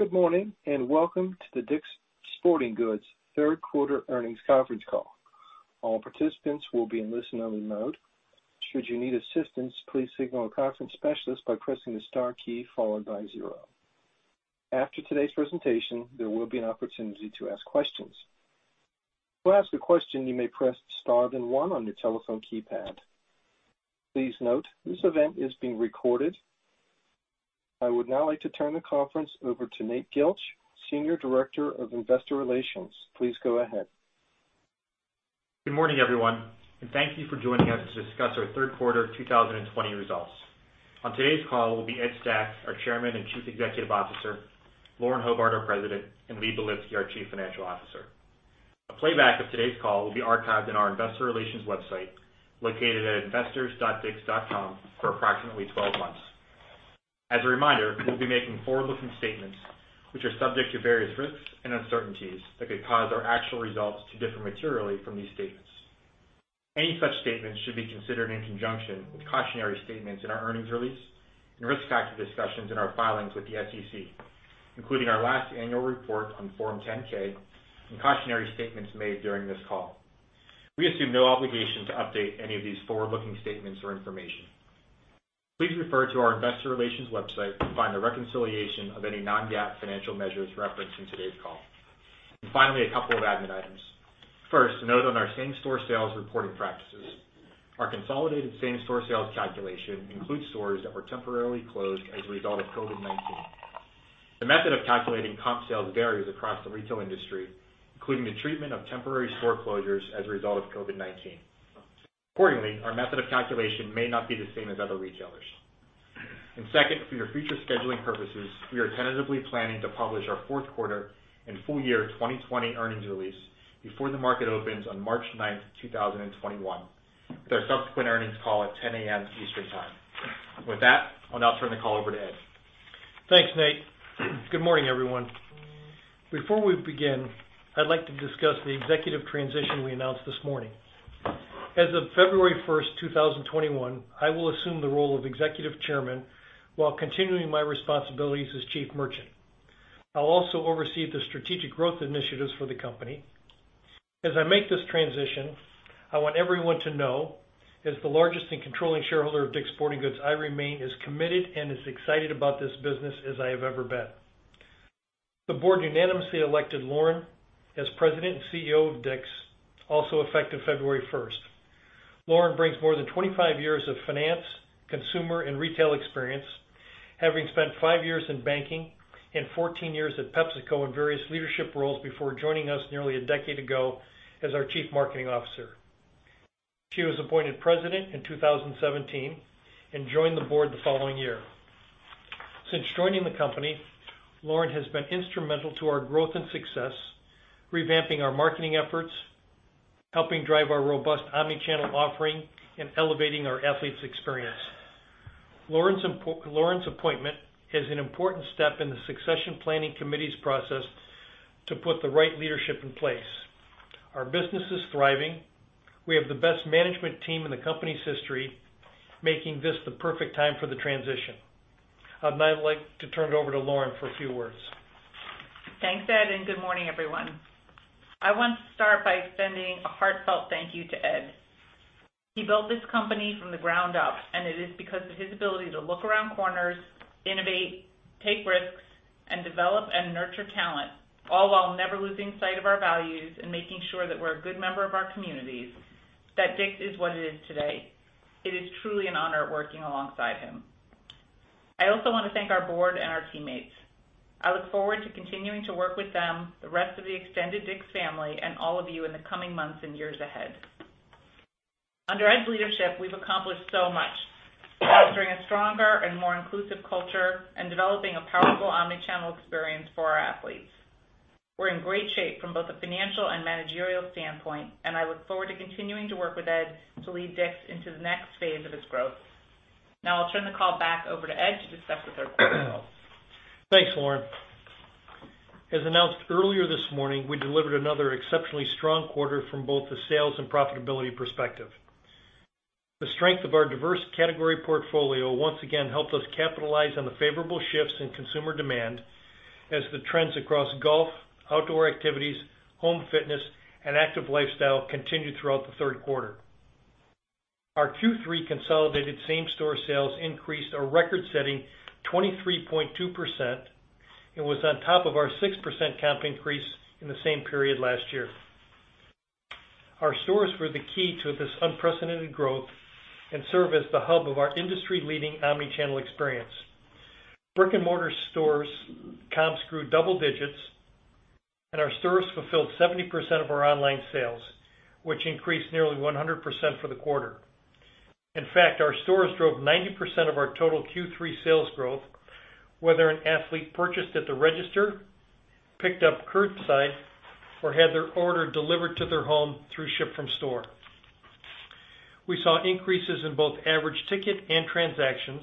Good morning, and welcome to the DICK'S Sporting Goods Third Quarter Earnings Conference Call. All participants will be in listen-only mode. Should you need assistance, please signal a conference specialist by pressing the star key followed by zero. After today's presentation, there will be an opportunity to ask questions. To ask a question, you may press star then one on your telephone keypad. Please note, this event is being recorded. I would now like to turn the conference over to Nate Gilch, Senior Director of Investor Relations. Please go ahead. Good morning, everyone, and thank you for joining us to discuss our third quarter 2020 results. On today's call will be Ed Stack, our Chairman and Chief Executive Officer, Lauren Hobart, our President, and Lee Belitsky, our Chief Financial Officer. A playback of today's call will be archived on our investor relations website, located at investors.dicks.com, for approximately 12 months. As a reminder, we'll be making forward-looking statements which are subject to various risks and uncertainties that could cause our actual results to differ materially from these statements. Any such statements should be considered in conjunction with cautionary statements in our earnings release and risk factor discussions in our filings with the SEC, including our last annual report on Form 10-K and cautionary statements made during this call. We assume no obligation to update any of these forward-looking statements or information. Please refer to our investor relations website to find a reconciliation of any non-GAAP financial measures referenced in today's call. Finally, a couple of admin items. First, a note on our same-store sales reporting practices. Our consolidated same-store sales calculation includes stores that were temporarily closed as a result of COVID-19. The method of calculating comp sales varies across the retail industry, including the treatment of temporary store closures as a result of COVID-19. Accordingly, our method of calculation may not be the same as other retailers. Second, for your future scheduling purposes, we are tentatively planning to publish our fourth quarter and full year 2020 earnings release before the market opens on March 9, 2021, with our subsequent earnings call at 10:00 A.M. Eastern Time. With that, I'll now turn the call over to Ed Stack. Thanks, Nate. Good morning, everyone. Before we begin, I'd like to discuss the executive transition we announced this morning. As of February 1st, 2021, I will assume the role of Executive Chairman while continuing my responsibilities as Chief Merchant. I'll also oversee the strategic growth initiatives for the company. As I make this transition, I want everyone to know, as the largest and controlling shareholder of DICK'S Sporting Goods, I remain as committed and as excited about this business as I have ever been. The board unanimously elected Lauren as President and CEO of DICK'S, also effective February 1st. Lauren brings more than 25 years of finance, consumer, and retail experience, having spent five years in banking and 14 years at PepsiCo in various leadership roles before joining us nearly a decade ago as our Chief Marketing Officer. She was appointed President in 2017 and joined the Board the following year. Since joining the company, Lauren has been instrumental to our growth and success, revamping our marketing efforts, helping drive our robust omni-channel offering, and elevating our athletes' experience. Lauren's appointment is an important step in the succession planning committee's process to put the right leadership in place. Our business is thriving. We have the best management team in the company's history, making this the perfect time for the transition. I'd now like to turn it over to Lauren Hobart for a few words. Thanks, Ed, and good morning, everyone. I want to start by extending a heartfelt thank you to Ed. He built this company from the ground up, and it is because of his ability to look around corners, innovate, take risks, and develop and nurture talent, all while never losing sight of our values and making sure that we're a good member of our communities, that DICK'S is what it is today. It is truly an honor working alongside him. I also want to thank our board and our teammates. I look forward to continuing to work with them, the rest of the extended DICK'S family, and all of you in the coming months and years ahead. Under Ed's leadership, we've accomplished so much, fostering a stronger and more inclusive culture and developing a powerful omni-channel experience for our athletes. We're in great shape from both a financial and managerial standpoint. I look forward to continuing to work with Ed to lead DICK'S into the next phase of its growth. Now I'll turn the call back over to Ed to discuss the third quarter results. Thanks, Lauren. As announced earlier this morning, we delivered another exceptionally strong quarter from both the sales and profitability perspective. The strength of our diverse category portfolio once again helped us capitalize on the favorable shifts in consumer demand as the trends across golf, outdoor activities, home fitness, and active lifestyle continued throughout the third quarter. Our Q3 consolidated same-store sales increased a record-setting 23.2% and was on top of our 6% comp increase in the same period last year. Our stores were the key to this unprecedented growth and serve as the hub of our industry-leading omni-channel experience. Brick-and-mortar stores comps grew double digits, and our stores fulfilled 70% of our online sales, which increased nearly 100% for the quarter. In fact, our stores drove 90% of our total Q3 sales growth, whether an athlete purchased at the register, picked up curbside, or had their order delivered to their home through Ship-from-Store. We saw increases in both average ticket and transactions,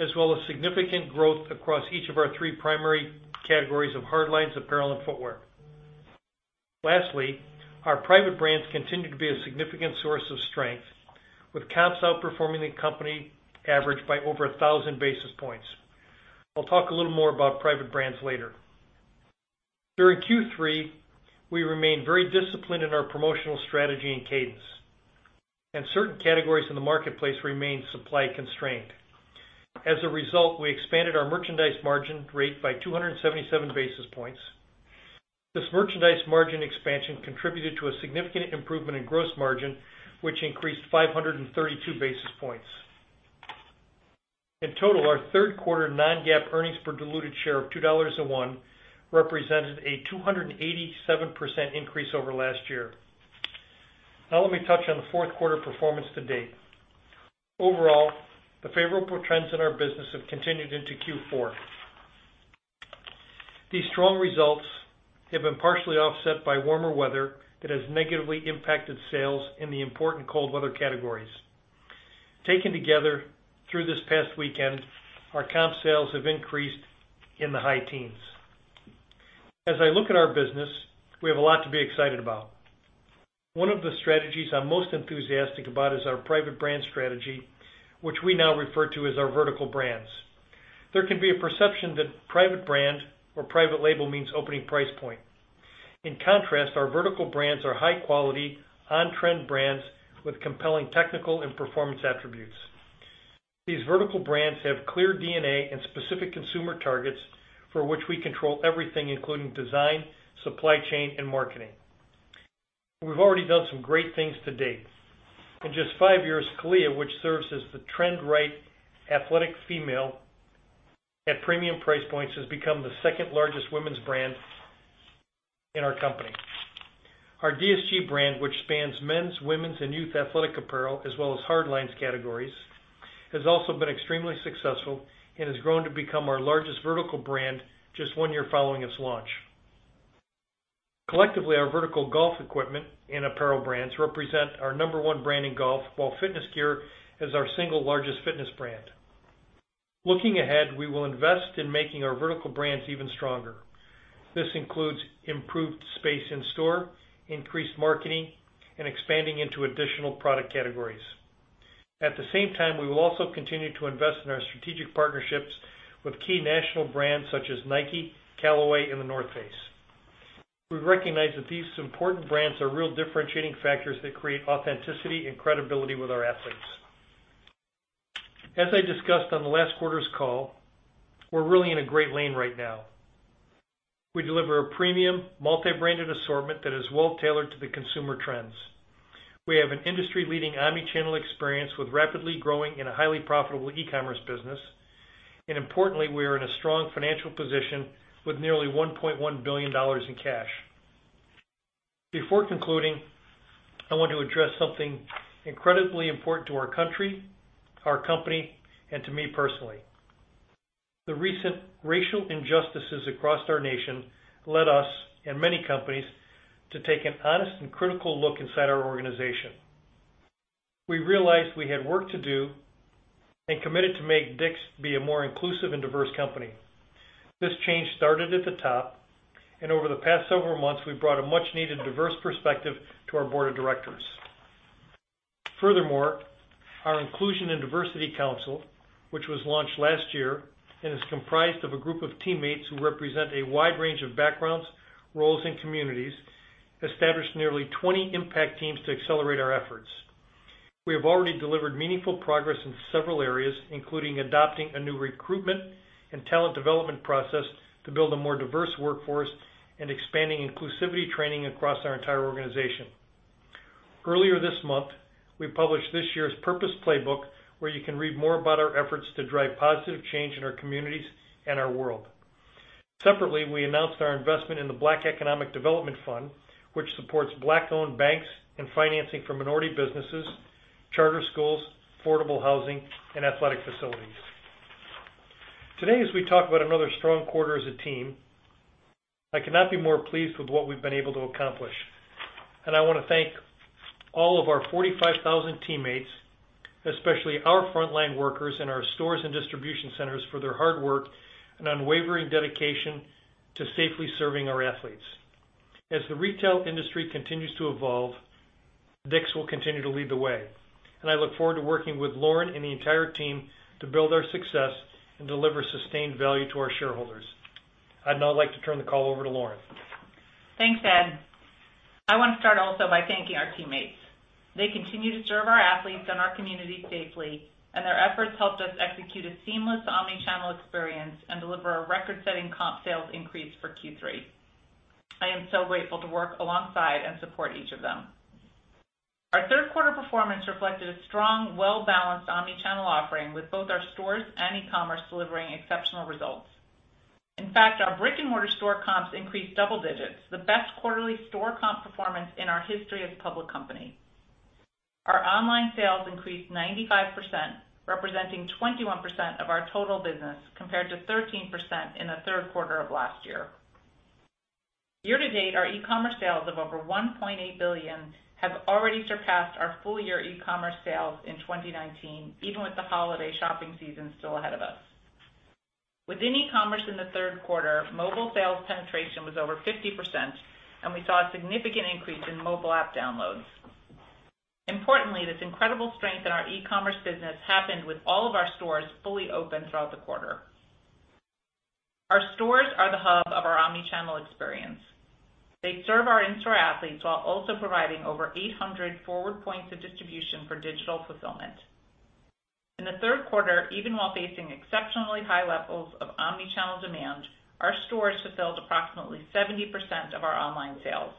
as well as significant growth across each of our three primary categories of hard lines, apparel, and footwear. Lastly, our private brands continue to be a significant source of strength with comps outperforming the company average by over 1,000 basis points. I'll talk a little more about private brands later. During Q3, we remained very disciplined in our promotional strategy and cadence, and certain categories in the marketplace remained supply constrained. As a result, we expanded our merchandise margin rate by 277 basis points. This merchandise margin expansion contributed to a significant improvement in gross margin, which increased 532 basis points. In total, our third quarter non-GAAP earnings per diluted share of $2.01 represented a 287% increase over last year. Now let me touch on the fourth quarter performance to date. Overall, the favorable trends in our business have continued into Q4. These strong results have been partially offset by warmer weather that has negatively impacted sales in the important cold weather categories. Taken together through this past weekend, our comp sales have increased in the high teens. As I look at our business, we have a lot to be excited about. One of the strategies I'm most enthusiastic about is our private brand strategy, which we now refer to as our vertical brands. There can be a perception that private brand or private label means opening price point. In contrast, our vertical brands are high quality, on-trend brands with compelling technical and performance attributes. These vertical brands have clear DNA and specific consumer targets for which we control everything, including design, supply chain, and marketing. We've already done some great things to date. In just five years, CALIA, which serves as the trend-right athletic female at premium price points has become the second largest women's brand in our company. Our DSG brand, which spans men's, women's, and youth athletic apparel, as well as hard lines categories, has also been extremely successful and has grown to become our largest vertical brand just one year following its launch. Collectively, our vertical golf equipment and apparel brands represent our number one brand in golf while Fitness Gear is our single largest fitness brand. Looking ahead, we will invest in making our vertical brands even stronger. This includes improved space in store, increased marketing, and expanding into additional product categories. At the same time, we will also continue to invest in our strategic partnerships with key national brands such as Nike, Callaway, and The North Face. We recognize that these important brands are real differentiating factors that create authenticity and credibility with our athletes. As I discussed on the last quarter's call, we're really in a great lane right now. We deliver a premium multi-branded assortment that is well tailored to the consumer trends. We have an industry-leading omni-channel experience with rapidly growing in a highly profitable e-commerce business. Importantly, we are in a strong financial position with nearly $1.1 billion in cash. Before concluding, I want to address something incredibly important to our country, our company, and to me personally. The recent racial injustices across our nation led us and many companies to take an honest and critical look inside our organization. We realized we had work to do and committed to make DICK'S be a more inclusive and diverse company. This change started at the top, and over the past several months, we've brought a much-needed diverse perspective to our board of directors. Furthermore, our Inclusion and Diversity Council, which was launched last year and is comprised of a group of teammates who represent a wide range of backgrounds, roles, and communities, established nearly 20 impact teams to accelerate our efforts. We have already delivered meaningful progress in several areas, including adopting a new recruitment and talent development process to build a more diverse workforce and expanding inclusivity training across our entire organization. Earlier this month, we published this year's Purpose Playbook, where you can read more about our efforts to drive positive change in our communities and our world. Separately, we announced our investment in the Black Economic Development Fund, which supports Black-owned banks and financing for minority businesses, charter schools, affordable housing, and athletic facilities. Today, as we talk about another strong quarter as a team, I cannot be more pleased with what we've been able to accomplish, and I want to thank all of our 45,000 teammates, especially our frontline workers in our stores and distribution centers for their hard work and unwavering dedication to safely serving our athletes. As the retail industry continues to evolve, DICK'S will continue to lead the way, and I look forward to working with Lauren and the entire team to build our success and deliver sustained value to our shareholders. I'd now like to turn the call over to Lauren. Thanks, Ed. I want to start also by thanking our teammates. They continue to serve our athletes and our communities safely. Their efforts helped us execute a seamless omni-channel experience and deliver a record-setting comp sales increase for Q3. I am so grateful to work alongside and support each of them. Our third quarter performance reflected a strong, well-balanced omni-channel offering with both our stores and e-commerce delivering exceptional results. In fact, our brick-and-mortar store comps increased double digits, the best quarterly store comp performance in our history as a public company. Our online sales increased 95%, representing 21% of our total business, compared to 13% in the third quarter of last year. Year to date, our e-commerce sales of over $1.8 billion have already surpassed our full year e-commerce sales in 2019, even with the holiday shopping season still ahead of us. Within e-commerce in the third quarter, mobile sales penetration was over 50%, and we saw a significant increase in mobile app downloads. Importantly, this incredible strength in our e-commerce business happened with all of our stores fully open throughout the quarter. Our stores are the hub of our omni-channel experience. They serve our in-store athletes while also providing over 800 forward points of distribution for digital fulfillment. In the third quarter, even while facing exceptionally high levels of omni-channel demand, our stores fulfilled approximately 70% of our online sales.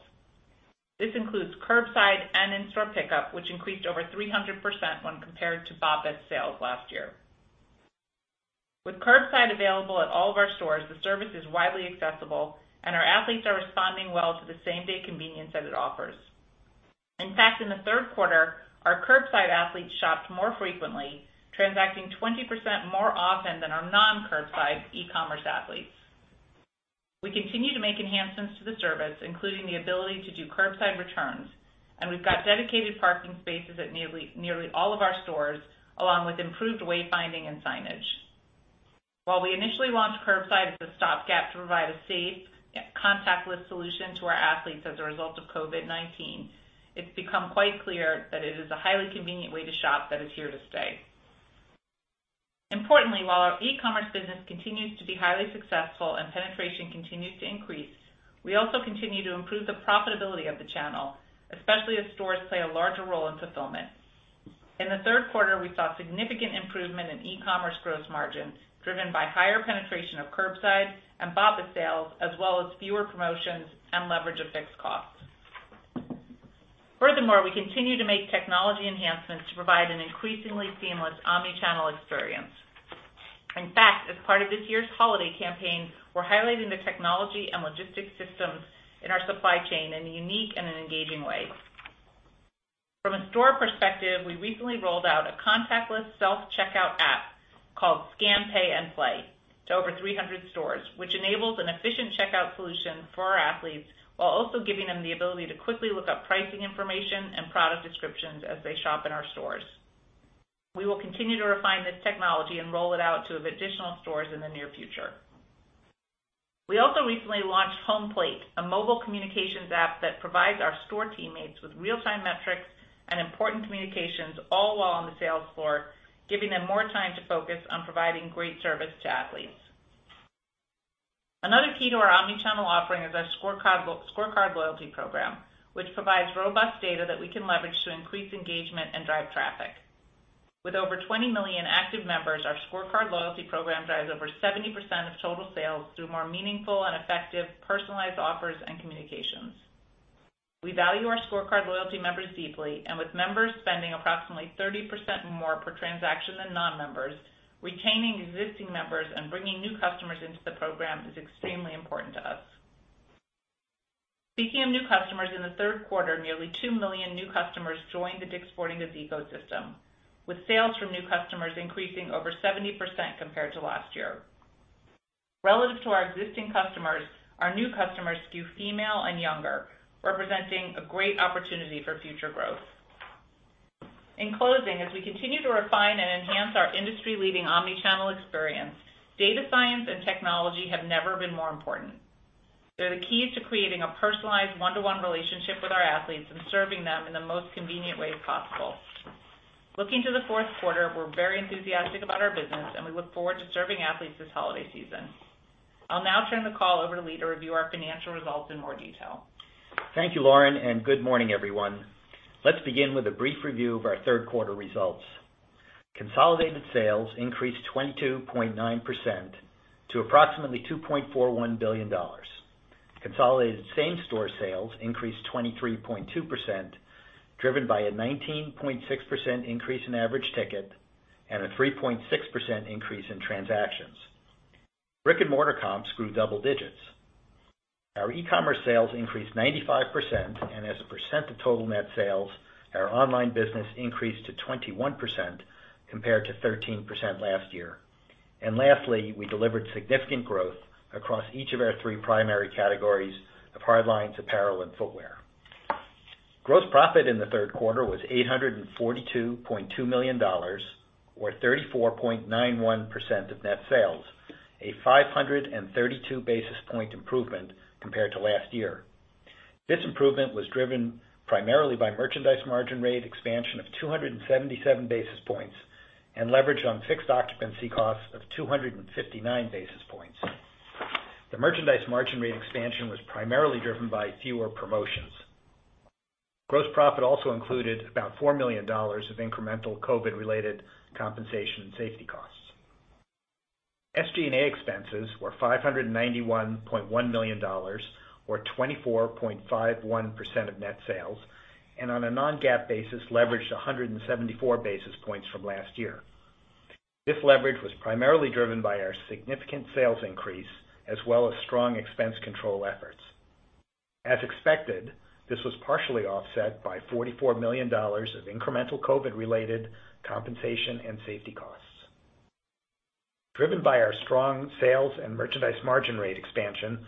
This includes curbside and in-store pickup, which increased over 300% when compared to BOPIS sales last year. With curbside available at all of our stores, the service is widely accessible, and our athletes are responding well to the same-day convenience that it offers. In fact, in the third quarter, our curbside athletes shopped more frequently, transacting 20% more often than our non-curbside e-commerce athletes. We continue to make enhancements to the service, including the ability to do curbside returns, and we've got dedicated parking spaces at nearly all of our stores, along with improved wayfinding and signage. While we initially launched curbside as a stopgap to provide a safe, contactless solution to our athletes as a result of COVID-19, it's become quite clear that it is a highly convenient way to shop that is here to stay. Importantly, while our e-commerce business continues to be highly successful and penetration continues to increase, we also continue to improve the profitability of the channel, especially as stores play a larger role in fulfillment. In the third quarter, we saw significant improvement in e-commerce gross margins, driven by higher penetration of curbside and BOPIS sales, as well as fewer promotions and leverage of fixed costs. Furthermore, we continue to make technology enhancements to provide an increasingly seamless omni-channel experience. In fact, as part of this year's holiday campaign, we're highlighting the technology and logistics systems in our supply chain in a unique and an engaging way. From a store perspective, we recently rolled out a contactless self-checkout app called Scan, Pay & Play to over 300 stores, which enables an efficient checkout solution for our athletes while also giving them the ability to quickly look up pricing information and product descriptions as they shop in our stores. We will continue to refine this technology and roll it out to additional stores in the near future. We also recently launched HomePlate, a mobile communications app that provides our store teammates with real-time metrics and important communications all while on the sales floor, giving them more time to focus on providing great service to athletes. Another key to our omni-channel offering is our ScoreCard loyalty program, which provides robust data that we can leverage to increase engagement and drive traffic. With over 20 million active members, our ScoreCard loyalty program drives over 70% of total sales through more meaningful and effective personalized offers and communications. We value our ScoreCard loyalty members deeply, and with members spending approximately 30% more per transaction than non-members, retaining existing members and bringing new customers into the program is extremely important to us. Speaking of new customers, in the third quarter, nearly 2 million new customers joined the DICK'S Sporting Goods ecosystem, with sales from new customers increasing over 70% compared to last year. Relative to our existing customers, our new customers skew female and younger, representing a great opportunity for future growth. In closing, as we continue to refine and enhance our industry-leading omni-channel experience, data science and technology have never been more important. They're the keys to creating a personalized, one-to-one relationship with our athletes and serving them in the most convenient ways possible. Looking to the fourth quarter, we're very enthusiastic about our business, and we look forward to serving athletes this holiday season. I'll now turn the call over to Lee Belitsky to review our financial results in more detail. Thank you, Lauren, and good morning, everyone. Let's begin with a brief review of our third quarter results. Consolidated sales increased 22.9% to approximately $2.41 billion. Consolidated same-store sales increased 23.2%, driven by a 19.6% increase in average ticket and a 3.6% increase in transactions. Brick-and-mortar comps grew double digits. Our e-commerce sales increased 95%, and as a percent of total net sales, our online business increased to 21% compared to 13% last year. Lastly, we delivered significant growth across each of our three primary categories of hard lines, apparel, and footwear. Gross profit in the third quarter was $842.2 million, or 34.91% of net sales, a 532 basis points improvement compared to last year. This improvement was driven primarily by merchandise margin rate expansion of 277 basis points and leverage on fixed occupancy costs of 259 basis points. The merchandise margin rate expansion was primarily driven by fewer promotions. Gross profit also included about $4 million of incremental COVID-related compensation and safety costs. SG&A expenses were $591.1 million, or 24.51% of net sales, and on a non-GAAP basis, leveraged 174 basis points from last year. This leverage was primarily driven by our significant sales increase as well as strong expense control efforts. As expected, this was partially offset by $44 million of incremental COVID-related compensation and safety costs. Driven by our strong sales and merchandise margin rate expansion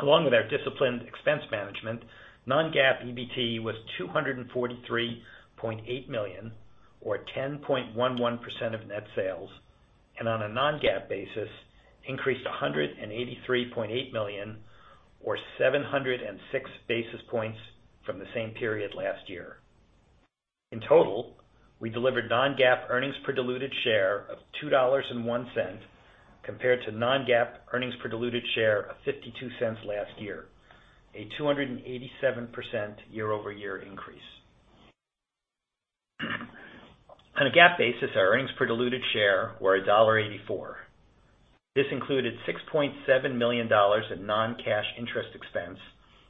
along with our disciplined expense management, non-GAAP EBT was $243.8 million, or 10.11% of net sales, and on a non-GAAP basis, increased by $183.8 million, or 706 basis points from the same period last year. In total, we delivered non-GAAP earnings per diluted share of $2.01, compared to non-GAAP earnings per diluted share of $0.52 last year, a 287% year-over-year increase. On a GAAP basis, our earnings per diluted share were $1.84. This included $6.7 million in non-cash interest expense,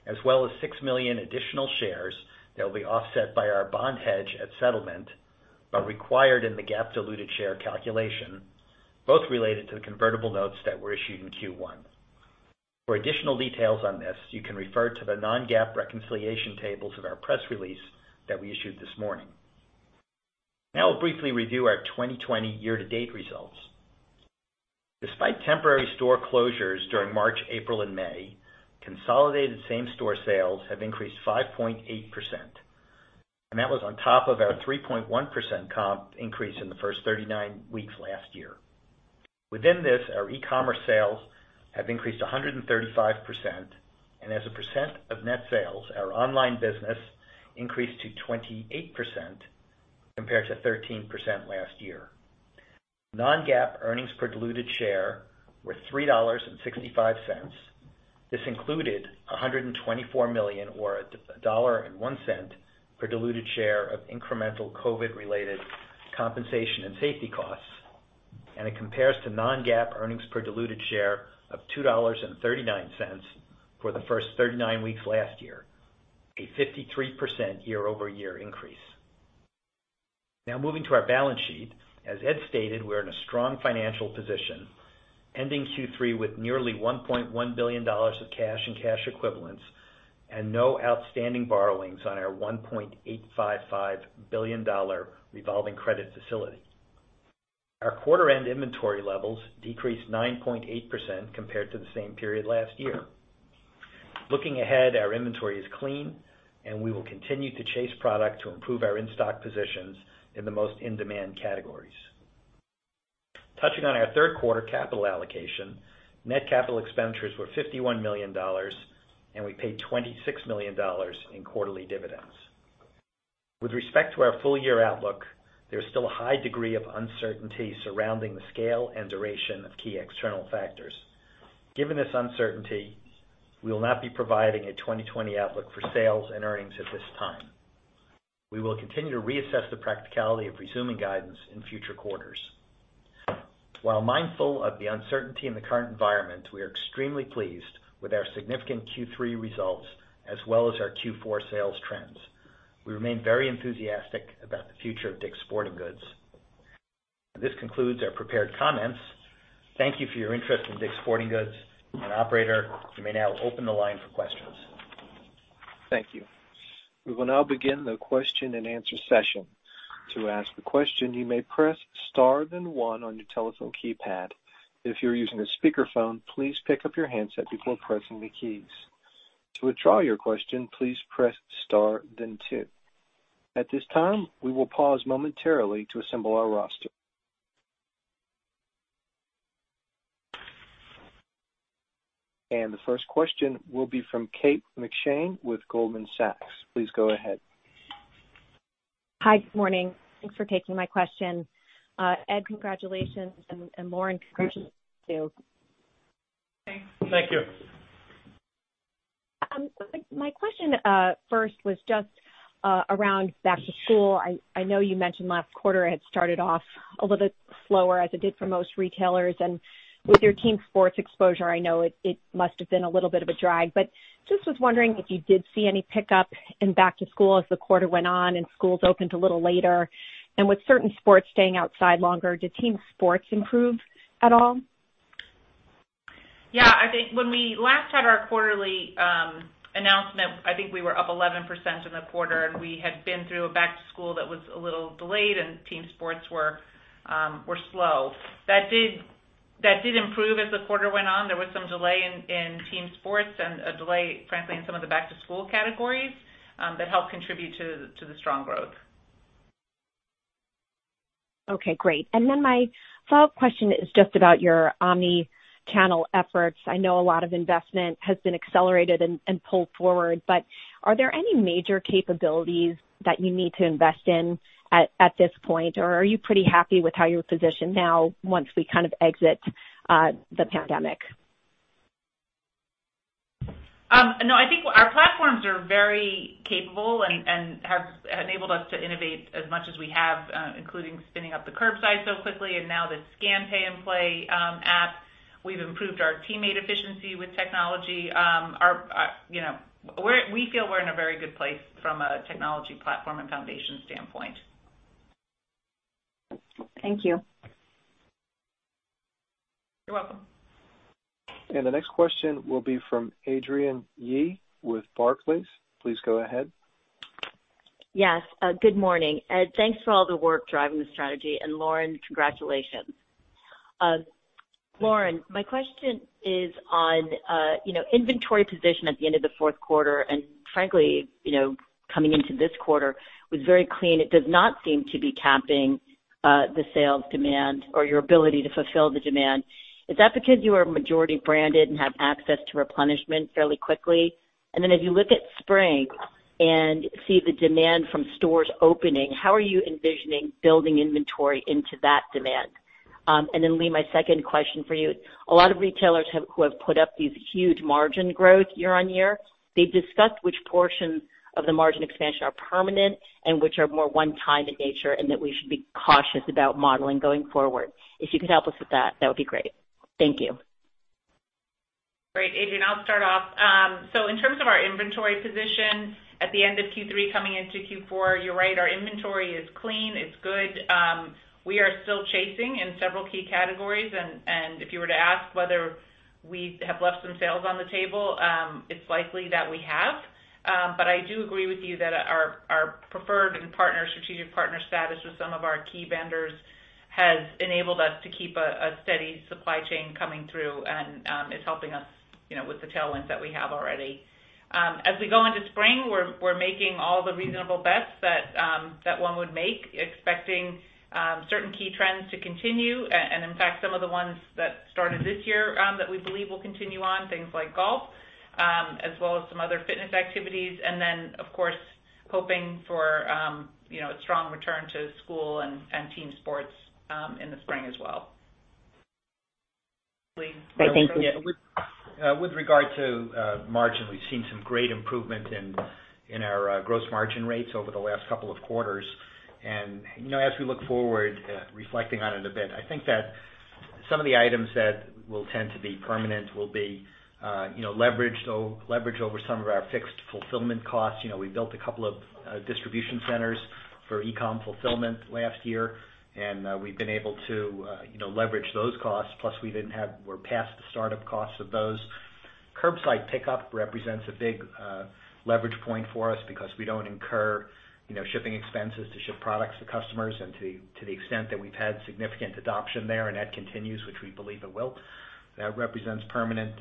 as well as 6 million additional shares that will be offset by our bond hedge at settlement, but required in the GAAP diluted share calculation, both related to the convertible notes that were issued in Q1. For additional details on this, you can refer to the non-GAAP reconciliation tables of our press release that we issued this morning. Now we'll briefly review our 2020 year-to-date results. Despite temporary store closures during March, April, and May, consolidated same-store sales have increased 5.8%, and that was on top of our 3.1% comp increase in the first 39 weeks last year. Within this, our e-commerce sales have increased 135%, and as a % of net sales, our online business increased to 28% compared to 13% last year. Non-GAAP earnings per diluted share were $3.65. This included $124 million, or $1.01 per diluted share of incremental COVID related compensation and safety costs, and it compares to non-GAAP earnings per diluted share of $2.39 for the first 39 weeks last year, a 53% year-over-year increase. Moving to our balance sheet. As Ed stated, we are in a strong financial position, ending Q3 with nearly $1.1 billion of cash and cash equivalents, and no outstanding borrowings on our $1.855 billion revolving credit facility. Our quarter-end inventory levels decreased 9.8% compared to the same period last year. Looking ahead, our inventory is clean, and we will continue to chase product to improve our in-stock positions in the most in-demand categories. Touching on our third quarter capital allocation, net capital expenditures were $51 million, and we paid $26 million in quarterly dividends. With respect to our full year outlook, there is still a high degree of uncertainty surrounding the scale and duration of key external factors. Given this uncertainty, we will not be providing a 2020 outlook for sales and earnings at this time. We will continue to reassess the practicality of resuming guidance in future quarters. While mindful of the uncertainty in the current environment, we are extremely pleased with our significant Q3 results as well as our Q4 sales trends. We remain very enthusiastic about the future of DICK'S Sporting Goods. This concludes our prepared comments. Thank you for your interest in DICK'S Sporting Goods. Operator, you may now open the line for question. Thank you. We will now begin the question and answer session. To ask a question, you may press star then one on you telephone keypad. If you're using a speaker phone, please pick up your handset before pressing the keys. To withdraw your question, please press star then two. At this time, we will pause momentarily to assemble our roster. The first question will be from Kate McShane with Goldman Sachs. Please go ahead. Hi. Good morning. Thanks for taking my question. Ed, congratulations, and Lauren, congratulations to you. Thanks. Thank you. My question first was just around back to school. I know you mentioned last quarter had started off a little bit slower as it did for most retailers. With your team sports exposure, I know it must have been a little bit of a drag, but just was wondering if you did see any pickup in back to school as the quarter went on and schools opened a little later? With certain sports staying outside longer, did team sports improve at all? Yeah. When we last had our quarterly announcement, I think we were up 11% in the quarter, and we had been through a back-to-school that was a little delayed and team sports were slow. That did improve as the quarter went on. There was some delay in team sports and a delay, frankly, in some of the back-to-school categories that helped contribute to the strong growth. Okay, great. My follow-up question is just about your omni-channel efforts. I know a lot of investment has been accelerated and pulled forward, but are there any major capabilities that you need to invest in at this point, or are you pretty happy with how you're positioned now, once we exit the pandemic? I think our platforms are very capable and have enabled us to innovate as much as we have, including spinning up the curbside so quickly, and now the Scan, Pay & Play app. We've improved our teammate efficiency with technology. We feel we're in a very good place from a technology platform and foundation standpoint. Thank you. You're welcome. The next question will be from Adrienne Yih with Barclays. Please go ahead. Yes. Good morning. Ed, thanks for all the work driving the strategy. Lauren, congratulations. Lauren, my question is on inventory position at the end of the fourth quarter, and frankly, coming into this quarter was very clean. It does not seem to be capping the sales demand or your ability to fulfill the demand. Is that because you are majority branded and have access to replenishment fairly quickly? As you look at spring and see the demand from stores opening, how are you envisioning building inventory into that demand? Lee, my second question for you. A lot of retailers who have put up these huge margin growth year-over-year, they've discussed which portions of the margin expansion are permanent and which are more one-time in nature, and that we should be cautious about modeling going forward. If you could help us with that would be great. Thank you. Great, Adrienne, I'll start off. In terms of our inventory position at the end of Q3 coming into Q4, you're right, our inventory is clean. It's good. We are still chasing in several key categories, and if you were to ask whether we have left some sales on the table, it's likely that we have. I do agree with you that our preferred and partner strategic partner status with some of our key vendors has enabled us to keep a steady supply chain coming through and is helping us with the tailwinds that we have already. As we go into spring, we're making all the reasonable bets that one would make, expecting certain key trends to continue. In fact, some of the ones that started this year that we believe will continue on, things like golf, as well as some other fitness activities. Then, of course, hoping for a strong return to school and team sports in the spring as well. Lee? Thank you. With regard to margin, we've seen some great improvement in our gross margin rates over the last couple of quarters. As we look forward, reflecting on it a bit, I think that some of the items that will tend to be permanent will be leverage over some of our fixed fulfillment costs. We built a couple of distribution centers for e-commerce fulfillment last year, and we've been able to leverage those costs. We're past the startup costs of those. Curbside pickup represents a big leverage point for us because we don't incur shipping expenses to ship products to customers and to the extent that we've had significant adoption there, and that continues, which we believe it will. That represents permanent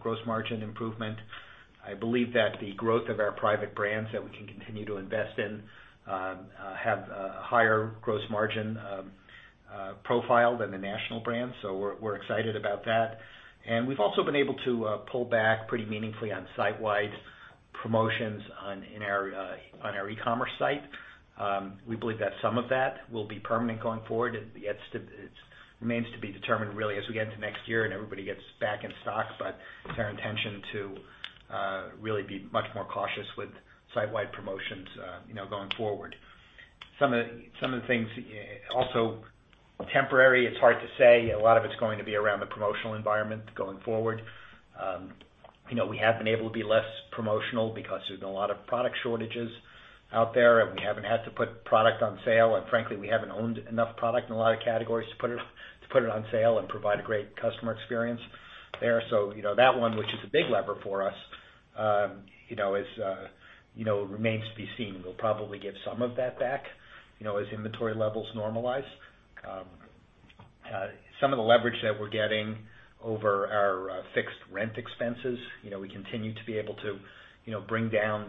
gross margin improvement. I believe that the growth of our private brands that we can continue to invest in have a higher gross margin profile than the national brands. We're excited about that. We've also been able to pull back pretty meaningfully on site-wide promotions on our e-commerce site. We believe that some of that will be permanent going forward. It remains to be determined, really, as we get into next year and everybody gets back in stock. It's our intention to really be much more cautious with site-wide promotions going forward. Some of the things also temporary. It's hard to say. A lot of it's going to be around the promotional environment going forward. We have been able to be less promotional because there's been a lot of product shortages out there, and we haven't had to put product on sale, and frankly, we haven't owned enough product in a lot of categories to put it on sale and provide a great customer experience there. That one, which is a big lever for us, remains to be seen. We'll probably give some of that back as inventory levels normalize. Some of the leverage that we're getting over our fixed rent expenses. We continue to be able to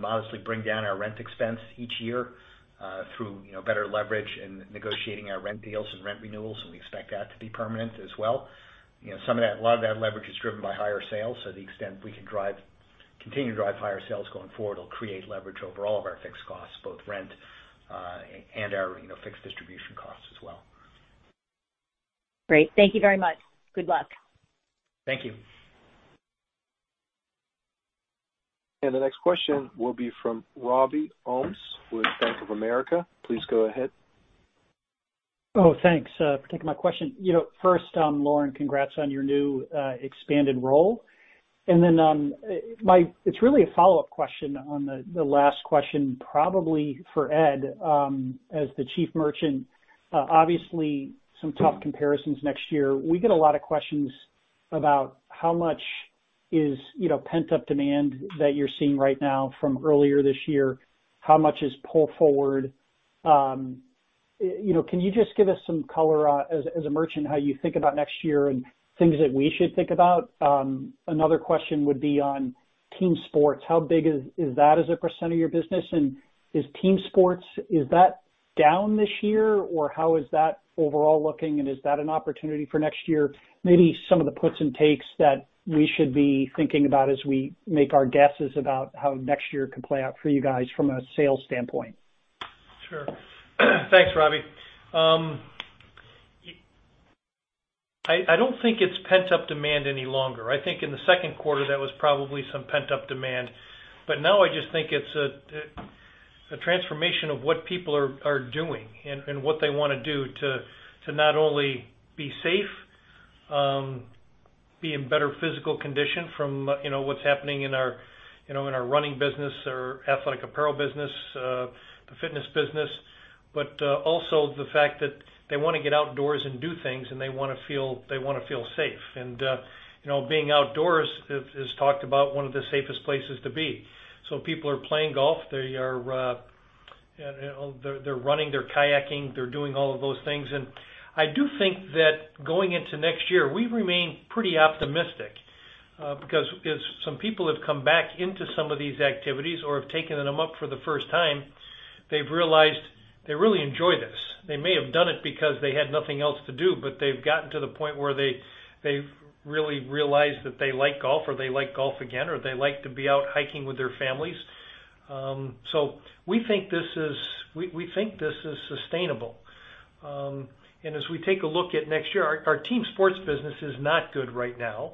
modestly bring down our rent expense each year, through better leverage and negotiating our rent deals and rent renewals. We expect that to be permanent as well. A lot of that leverage is driven by higher sales. The extent we can continue to drive higher sales going forward will create leverage over all of our fixed costs, both rent, and our fixed distribution costs as well. Great. Thank you very much. Good luck. Thank you. The next question will be from Robert Ohmes with Bank of America. Please go ahead. Thanks for taking my question. First, Lauren, congrats on your new expanded role. It's really a follow-up question on the last question, probably for Ed, as the chief merchant. Obviously, some tough comparisons next year. We get a lot of questions about how much is pent-up demand that you're seeing right now from earlier this year, how much is pull forward. Can you just give us some color as a merchant, how you think about next year and things that we should think about? Another question would be on team sports. How big is that as a percentage of your business? Is team sports, is that down this year, or how is that overall looking, and is that an opportunity for next year? Maybe some of the puts and takes that we should be thinking about as we make our guesses about how next year could play out for you guys from a sales standpoint. Sure. Thanks, Robert. I don't think it's pent-up demand any longer. I think in the second quarter, that was probably some pent-up demand. Now I just think it's a transformation of what people are doing and what they want to do to not only be safe, be in better physical condition from what's happening in our running business or athletic apparel business, the fitness business. Also the fact that they want to get outdoors and do things, and they want to feel safe. Being outdoors is talked about one of the safest places to be. People are playing golf. They're running, they're kayaking, they're doing all of those things. I do think that going into next year, we remain pretty optimistic. Because as some people have come back into some of these activities or have taken them up for the first time, they've realized they really enjoy this. They may have done it because they had nothing else to do, but they've gotten to the point where they've really realized that they like golf or they like golf again, or they like to be out hiking with their families. We think this is sustainable. As we take a look at next year, our team sports business is not good right now.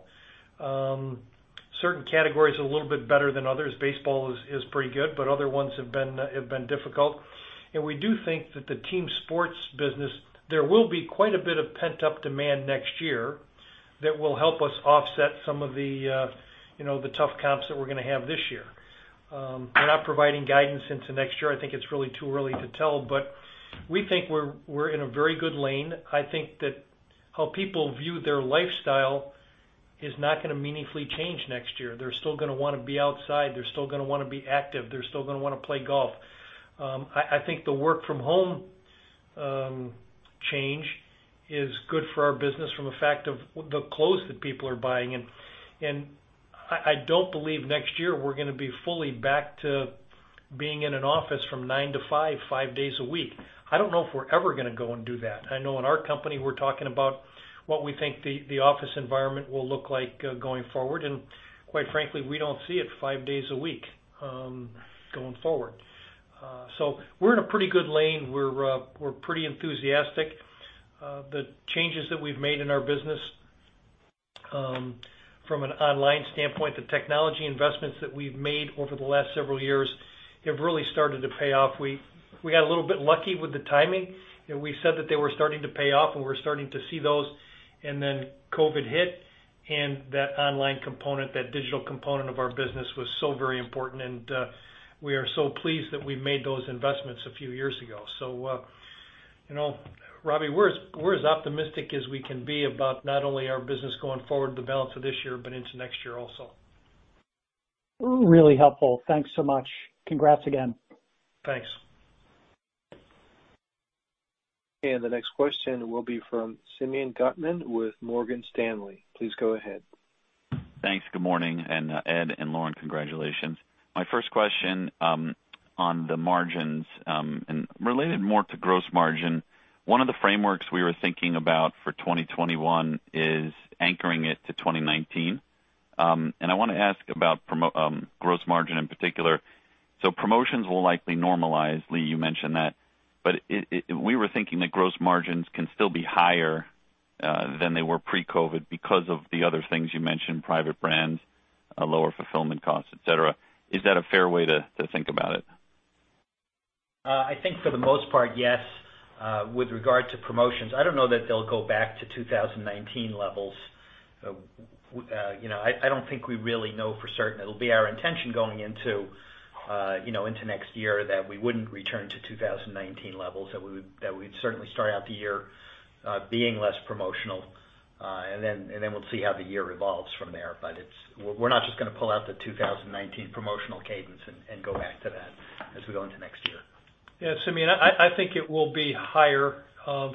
Certain categories are a little bit better than others. Baseball is pretty good, but other ones have been difficult. We do think that the team sports business, there will be quite a bit of pent-up demand next year that will help us offset some of the tough comps that we're going to have this year. We're not providing guidance into next year. I think it's really too early to tell, but we think we're in a very good lane. I think that how people view their lifestyle is not going to meaningfully change next year. They're still going to want to be outside. They're still going to want to be active. They're still going to want to play golf. I think the work from home change is good for our business from the fact of the clothes that people are buying. I don't believe next year we're going to be fully back to being in an office from 9:00 to 5:00, five days a week. I don't know if we're ever going to go and do that. I know in our company, we're talking about what we think the office environment will look like going forward. Quite frankly, we don't see it five days a week going forward. We're in a pretty good lane. We're pretty enthusiastic. The changes that we've made in our business from an online standpoint, the technology investments that we've made over the last several years have really started to pay off. We got a little bit lucky with the timing, and we said that they were starting to pay off, and we're starting to see those, and then COVID hit, and that online component, that digital component of our business was so very important. We are so pleased that we made those investments a few years ago. Robbie, we're as optimistic as we can be about not only our business going forward the balance of this year, but into next year also. Really helpful. Thanks so much. Congrats again. Thanks. The next question will be from Simeon Gutman with Morgan Stanley. Please go ahead. Thanks. Good morning. Ed and Lauren, congratulations. My first question on the margins, and related more to gross margin. One of the frameworks we were thinking about for 2021 is anchoring it to 2019. I want to ask about gross margin in particular. Promotions will likely normalize, Lee, you mentioned that. We were thinking that gross margins can still be higher than they were pre-COVID because of the other things you mentioned, private brands, lower fulfillment costs, et cetera. Is that a fair way to think about it? I think for the most part, yes. With regard to promotions, I don't know that they'll go back to 2019 levels. I don't think we really know for certain. It'll be our intention going into next year that we wouldn't return to 2019 levels, that we'd certainly start out the year being less promotional. Then we'll see how the year evolves from there. We're not just going to pull out the 2019 promotional cadence and go back to that as we go into next year. Yeah, Simeon, I think it will be higher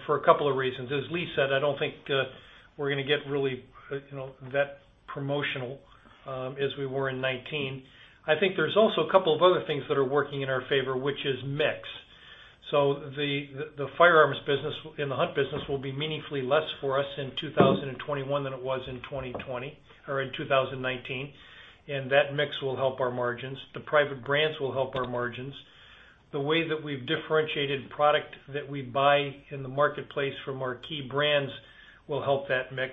for a couple of reasons. As Lee said, I don't think we're going to get really that promotional as we were in 2019. I think there's also a couple of other things that are working in our favor, which is mix. The firearms business and the hunt business will be meaningfully less for us in 2021 than it was in 2020 or in 2019. That mix will help our margins. The private brands will help our margins. The way that we've differentiated product that we buy in the marketplace from our key brands will help that mix.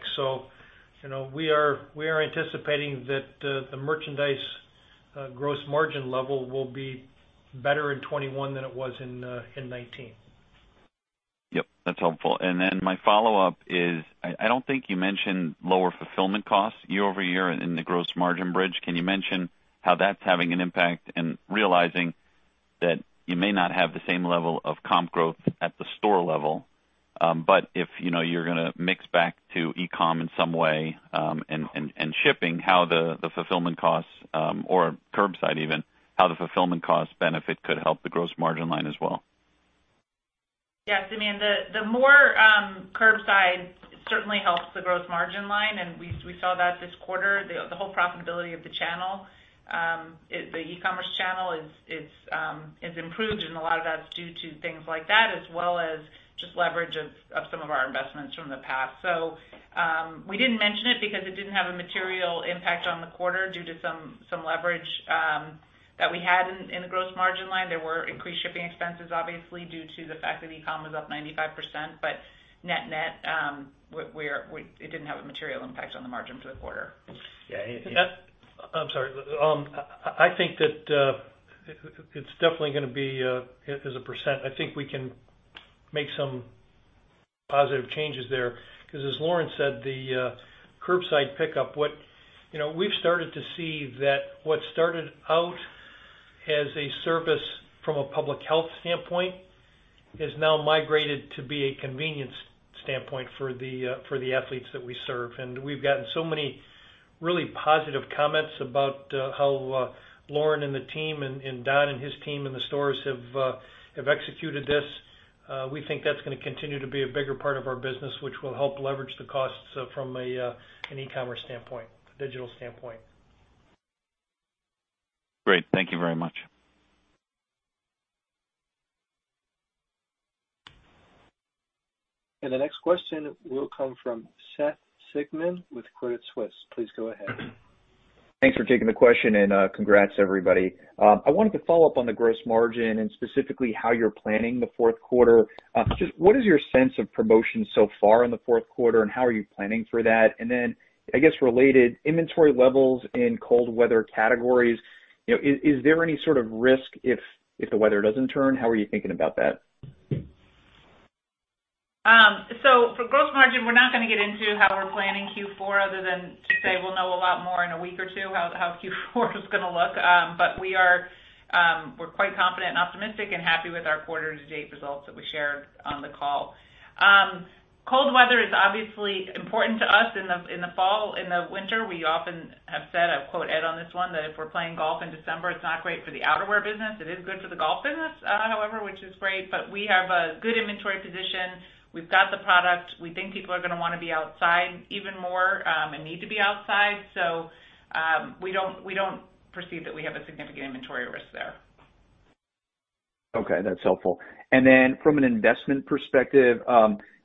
We are anticipating that the merchandise gross margin level will be better in 2021 than it was in 2019. Yep, that's helpful. My follow-up is, I don't think you mentioned lower fulfillment costs year-over-year in the gross margin bridge. Can you mention how that's having an impact and realizing that you may not have the same level of comp growth at the store level, but if you're going to mix back to e-commerce in some way and shipping, how the fulfillment costs or curbside even, how the fulfillment cost benefit could help the gross margin line as well? Yes, Simeon. The more curbside certainly helps the gross margin line. We saw that this quarter. The whole profitability of the channel, the e-commerce channel is improved. A lot of that's due to things like that as well as just leverage of some of our investments from the past. We didn't mention it because it didn't have a material impact on the quarter due to some leverage that we had in the gross margin line. There were increased shipping expenses, obviously, due to the fact that e-commerce was up 95%. Net-net, it didn't have a material impact on the margin for the quarter. Yeah. I'm sorry. I think that it's definitely going to be as a percent. I think we can make some positive changes there. Because as Lauren said, the curbside pickup, we've started to see that what started out as a service from a public health standpoint is now migrated to be a convenience standpoint for the athletes that we serve. And we've gotten so many really positive comments about how Lauren and the team, and Don and his team in the stores have executed this. We think that's going to continue to be a bigger part of our business, which will help leverage the costs from an e-commerce standpoint, a digital standpoint. Great. Thank you very much. The next question will come from Seth Sigman with Credit Suisse. Please go ahead. Thanks for taking the question, congrats, everybody. I wanted to follow up on the gross margin and specifically how you're planning the fourth quarter. Just what is your sense of promotion so far in the fourth quarter, how are you planning for that? I guess related, inventory levels in cold weather categories, is there any sort of risk if the weather doesn't turn? How are you thinking about that? For gross margin, we're not going to get into how we're planning Q4 other than to say we'll know a lot more in a week or two how Q4 is going to look. We're quite confident and optimistic and happy with our quarter to date results that we shared on the call. Cold weather is obviously important to us in the fall. In the winter, we often have said, I quote Ed on this one, that if we're playing golf in December, it's not great for the outerwear business. It is good for the golf business, however, which is great. We have a good inventory position. We've got the product. We think people are going to want to be outside even more, and need to be outside. We don't perceive that we have a significant inventory risk there. Okay, that's helpful. From an investment perspective,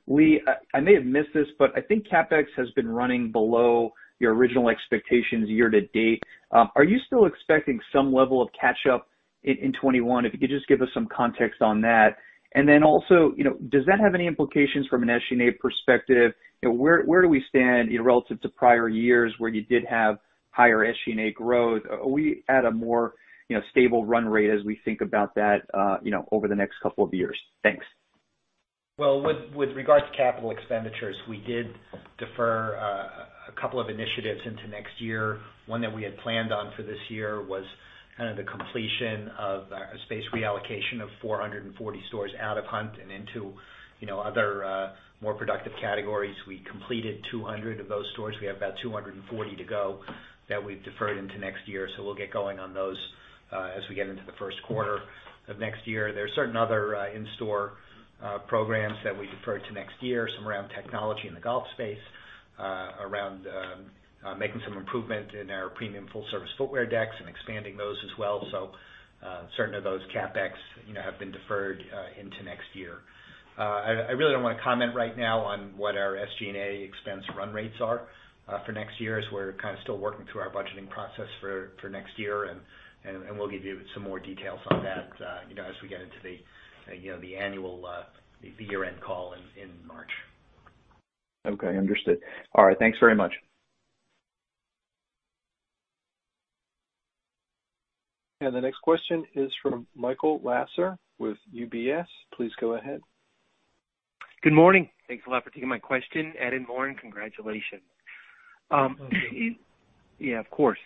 I may have missed this, but I think CapEx has been running below your original expectations year to date. Are you still expecting some level of catch up in 2021? If you could just give us some context on that. Also, does that have any implications from an SG&A perspective? Where do we stand relative to prior years where you did have higher SG&A growth? Are we at a more stable run rate as we think about that over the next couple of years? Thanks. Well, with regard to capital expenditures, we did defer a couple of initiatives into next year. One that we had planned on for this year was the completion of a space reallocation of 440 stores out of hunt and into other more productive categories. We completed 200 of those stores. We have about 240 to go that we've deferred into next year. We'll get going on those as we get into the first quarter of next year. There are certain other in-store programs that we deferred to next year, some around technology in the golf space, around making some improvement in our premium full service footwear decks and expanding those as well. Certain of those CapEx have been deferred into next year. I really don't want to comment right now on what our SG&A expense run rates are for next year, as we're still working through our budgeting process for next year, and we'll give you some more details on that as we get into the year-end call in March. Okay, understood. All right. Thanks very much. The next question is from Michael Lasser with UBS. Please go ahead. Good morning. Thanks a lot for taking my question. Ed and Lauren, congratulations. Thank you. Yeah, of course.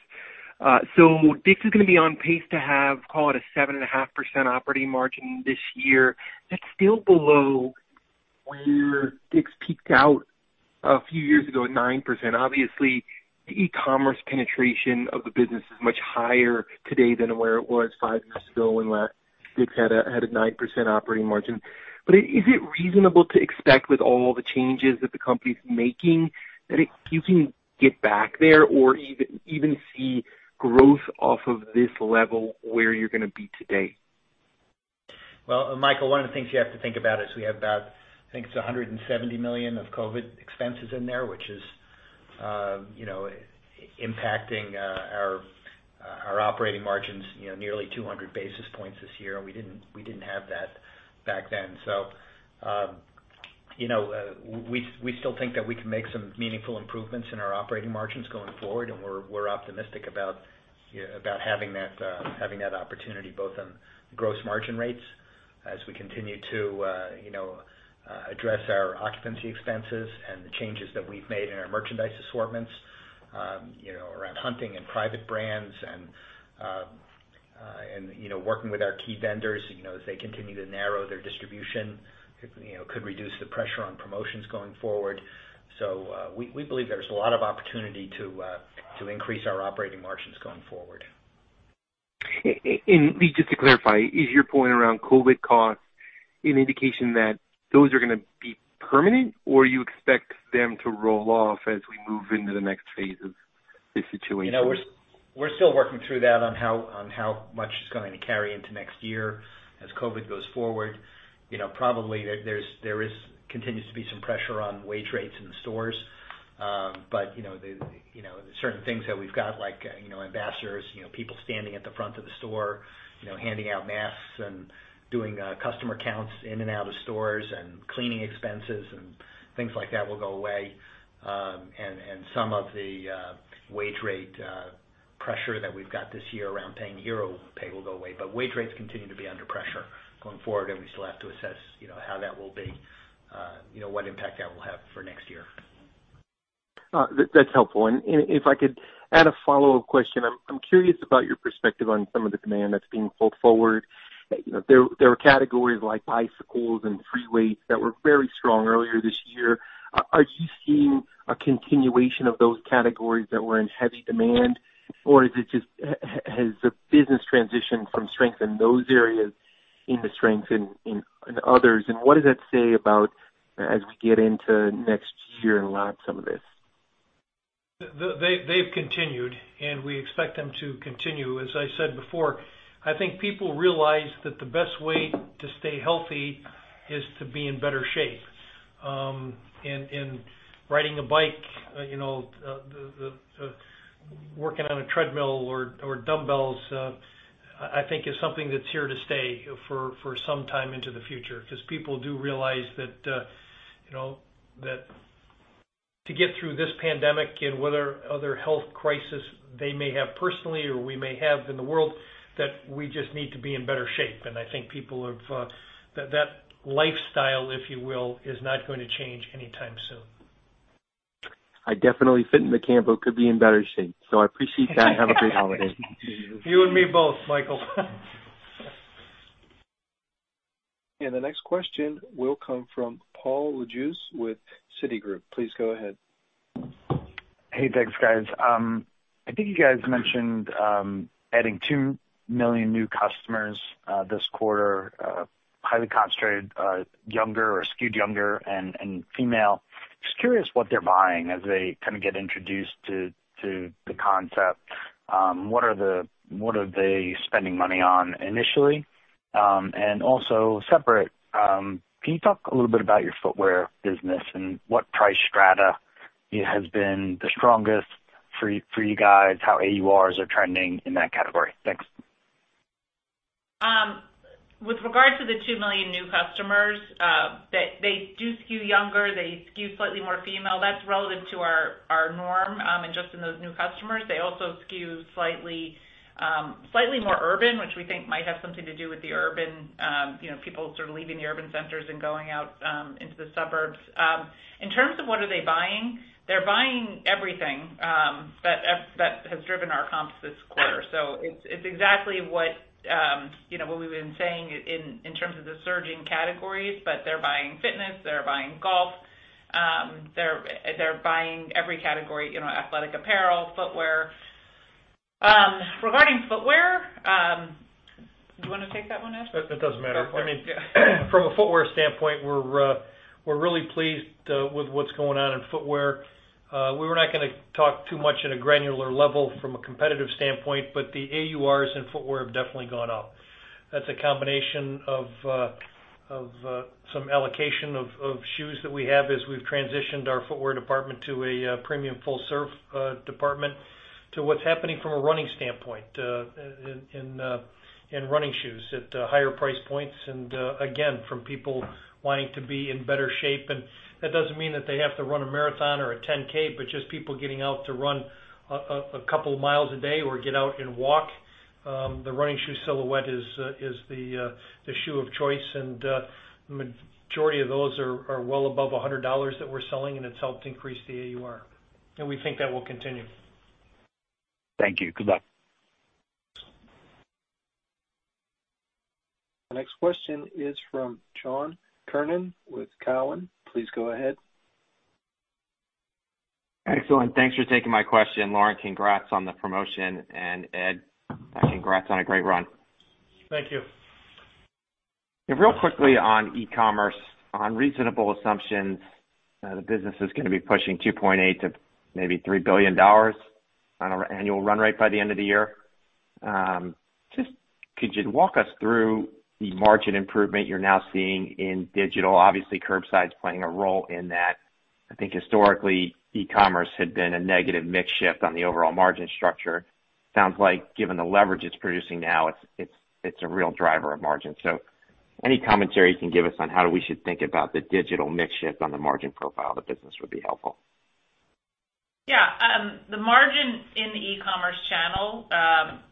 DICK'S is going to be on pace to have, call it, a 7.5% operating margin this year. That's still below where DICK'S peaked out a few years ago at 9%. Obviously, the e-commerce penetration of the business is much higher today than where it was five years ago when DICK'S had a 9% operating margin. Is it reasonable to expect with all the changes that the company's making, that you can get back there or even see growth off of this level where you're going to be today? Well, Michael, one of the things you have to think about is we have about, I think it's $170 million of COVID expenses in there, which is impacting our operating margins nearly 200 basis points this year. We didn't have that back then. We still think that we can make some meaningful improvements in our operating margins going forward, and we're optimistic about having that opportunity both on gross margin rates as we continue to address our occupancy expenses and the changes that we've made in our merchandise assortments around hunting and private brands and working with our key vendors as they continue to narrow their distribution could reduce the pressure on promotions going forward. We believe there's a lot of opportunity to increase our operating margins going forward. Just to clarify, is your point around COVID costs an indication that those are going to be permanent, or you expect them to roll off as we move into the next phase of this situation? We're still working through that on how much is going to carry into next year as COVID goes forward. Probably there continues to be some pressure on wage rates in the stores. Certain things that we've got, like ambassadors, people standing at the front of the store handing out masks and doing customer counts in and out of stores and cleaning expenses and things like that will go away. Some of the wage rate pressure that we've got this year around paying hero pay will go away. Wage rates continue to be under pressure going forward, and we still have to assess how that will be, what impact that will have for next year. That's helpful. If I could add a follow-up question. I'm curious about your perspective on some of the demand that's being pulled forward. There are categories like bicycles and free weights that were very strong earlier this year. Are you seeing a continuation of those categories that were in heavy demand, or has the business transitioned from strength in those areas into strength in others? What does that say about as we get into next year and lap some of this? They've continued, and we expect them to continue. As I said before, I think people realize that the best way to stay healthy is to be in better shape. Riding a bike, working on a treadmill or dumbbells, I think is something that's here to stay for some time into the future. People do realize that to get through this pandemic and what other health crisis they may have personally or we may have in the world, that we just need to be in better shape. I think that lifestyle, if you will, is not going to change anytime soon. I definitely fit in the camp of could be in better shape, so I appreciate that. Have a great holiday. You and me both, Michael. The next question will come from Paul Lejuez with Citigroup. Please go ahead. Hey, thanks, guys. I think you guys mentioned adding 2 million new customers this quarter, highly concentrated, younger or skewed younger, and female. Just curious what they're buying as they come and get introduced to the concept. What are they spending money on initially? Also separate, can you talk a little bit about your footwear business and what price strata has been the strongest for you guys, how AURs are trending in that category? Thanks. With regard to the 2 million new customers, they do skew younger. They skew slightly more female. That's relative to our norm. Just in those new customers, they also skew slightly more urban, which we think might have something to do with the people sort of leaving the urban centers and going out into the suburbs. In terms of what are they buying, they're buying everything that has driven our comps this quarter. It's exactly what we've been saying in terms of the surging categories, but they're buying fitness, they're buying golf. They're buying every category, athletic apparel, footwear. Regarding footwear, do you want to take that one, Ed? It doesn't matter. Okay. From a footwear standpoint, we're really pleased with what's going on in footwear. We were not going to talk too much at a granular level from a competitive standpoint, but the AURs in footwear have definitely gone up. That's a combination of some allocation of shoes that we have as we've transitioned our footwear department to a premium full-serve department to what's happening from a running standpoint in running shoes at higher price points, and again, from people wanting to be in better shape. That doesn't mean that they have to run a marathon or a 10,000, but just people getting out to run a couple of miles a day or get out and walk. The running shoe silhouette is the shoe of choice, and the majority of those are well above $100 that we're selling, and it's helped increase the AUR. We think that will continue. Thank you. Good luck. The next question is from John Kernan with Cowen. Please go ahead. Excellent. Thanks for taking my question. Lauren, congrats on the promotion, and Ed, congrats on a great run. Thank you. Real quickly on e-commerce, on reasonable assumptions, the business is going to be pushing $2.8 billion-$3 billion on an annual run rate by the end of the year. Could you walk us through the margin improvement you're now seeing in digital? Obviously, curbside is playing a role in that. I think historically, e-commerce had been a negative mix shift on the overall margin structure. Sounds like given the leverage it's producing now, it's a real driver of margin. Any commentary you can give us on how we should think about the digital mix shift on the margin profile of the business would be helpful. Yeah. The margin in the e-commerce channel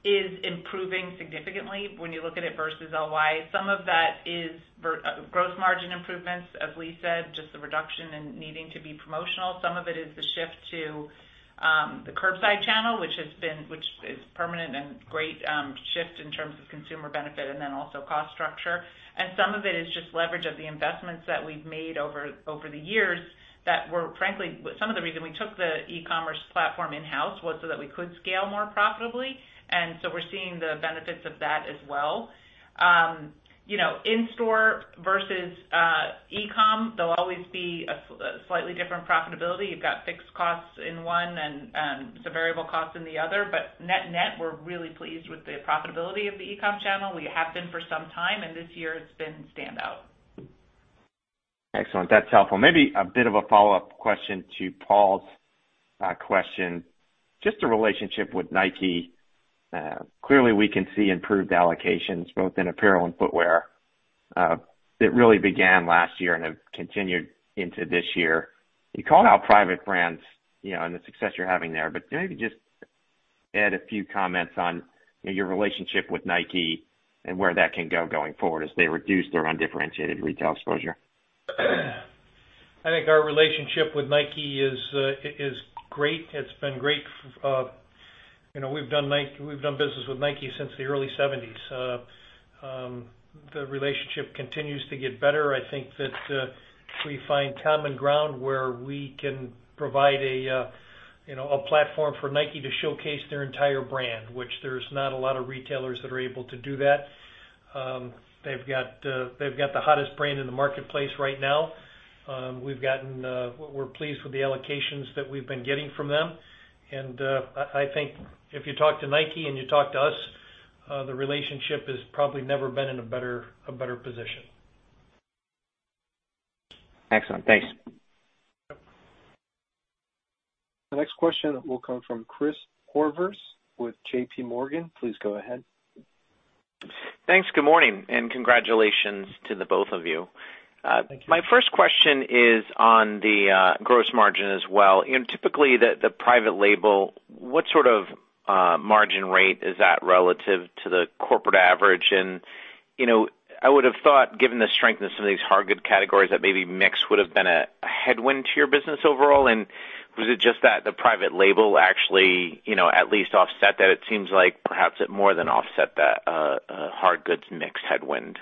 is improving significantly when you look at it versus year-over-year. Some of that is gross margin improvements, as Lee said, just the reduction in needing to be promotional. Some of it is the shift to the curbside channel, which is permanent and great shift in terms of consumer benefit and then also cost structure. Some of it is just leverage of the investments that we've made over the years that were, frankly, some of the reason we took the e-commerce platform in-house was so that we could scale more profitably. So we're seeing the benefits of that as well. In-store versus e-commerce, they'll always be a slightly different profitability. You've got fixed costs in one and some variable costs in the other. Net-net, we're really pleased with the profitability of the e-commerce channel. We have been for some time, and this year it's been standout. Excellent. That's helpful. Maybe a bit of a follow-up question to Paul's question. Just the relationship with Nike. Clearly, we can see improved allocations both in apparel and footwear. That really began last year and have continued into this year. Maybe just add a few comments on your relationship with Nike and where that can go going forward as they reduce their undifferentiated retail exposure. I think our relationship with Nike is great. It's been great. We've done business with Nike since the early 1970s. The relationship continues to get better. I think that we find common ground where we can provide a platform for Nike to showcase their entire brand, which there's not a lot of retailers that are able to do that. They've got the hottest brand in the marketplace right now. We're pleased with the allocations that we've been getting from them. I think if you talk to Nike and you talk to us, the relationship has probably never been in a better position. Excellent. Thanks. Yep. The next question will come from Chris Horvers with JPMorgan. Please go ahead. Thanks. Good morning, and congratulations to the both of you. Thank you. My first question is on the gross margin as well. Typically, the private label, what sort of margin rate is that relative to the corporate average? I would have thought, given the strength in some of these hard good categories, that maybe mix would have been a headwind to your business overall. Was it just that the private label actually at least offset that? It seems like perhaps it more than offset that hard goods mix headwind.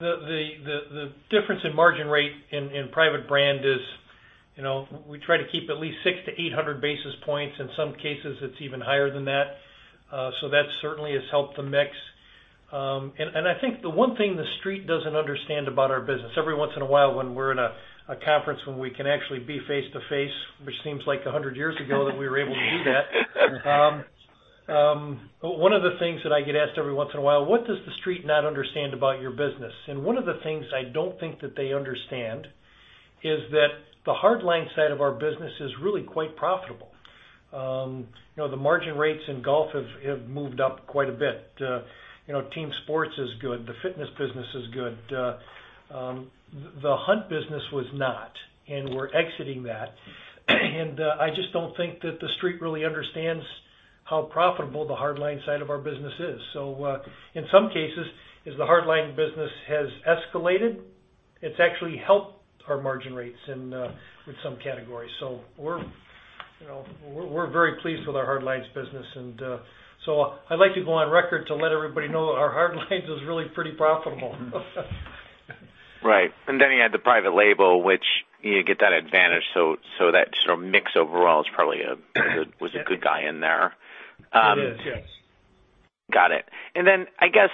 The difference in margin rate in private brand is we try to keep at least 600 basis points-800 basis points. In some cases, it's even higher than that. That certainly has helped the mix. I think the one thing the Street doesn't understand about our business, every once in a while when we're in a conference when we can actually be face-to-face, which seems like 100 years ago that we were able to do that. One of the things that I get asked every once in a while, "What does the Street not understand about your business?" One of the things I don't think that they understand is that the hard line side of our business is really quite profitable. The margin rates in golf have moved up quite a bit. Team sports is good. The fitness business is good. The hunt business was not, we're exiting that. I just don't think that the Street really understands how profitable the hard line side of our business is. In some cases, as the hard line business has escalated, it's actually helped our margin rates with some categories. We're very pleased with our hard lines business, and so I'd like to go on record to let everybody know that our hard lines is really pretty profitable. Right. Then you add the private label, which you get that advantage, so that sort of mix overall was a good guy in there. It is, yes. Got it. Then, I guess,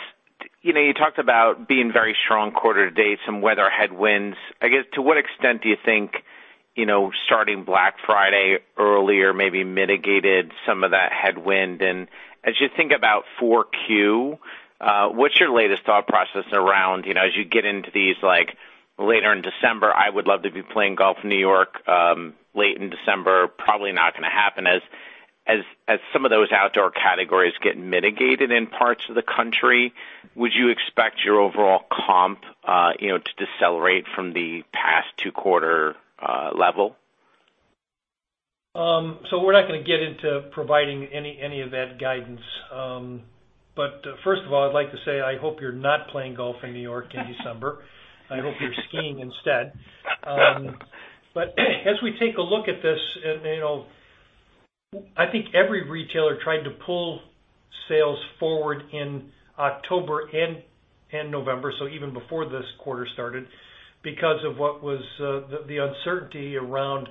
you talked about being very strong quarter to date, some weather headwinds. I guess, to what extent do you think starting Black Friday earlier maybe mitigated some of that headwind? As you think about 4Q, what's your latest thought process around as you get into these, like later in December, I would love to be playing golf in New York late in December. Probably not going to happen. As some of those outdoor categories get mitigated in parts of the country, would you expect your overall comp to decelerate from the past two quarter level? We're not going to get into providing any of that guidance. First of all, I'd like to say, I hope you're not playing golf in New York in December. I hope you're skiing instead. As we take a look at this, I think every retailer tried to pull sales forward in October and November, so even before this quarter started, because of what was the uncertainty around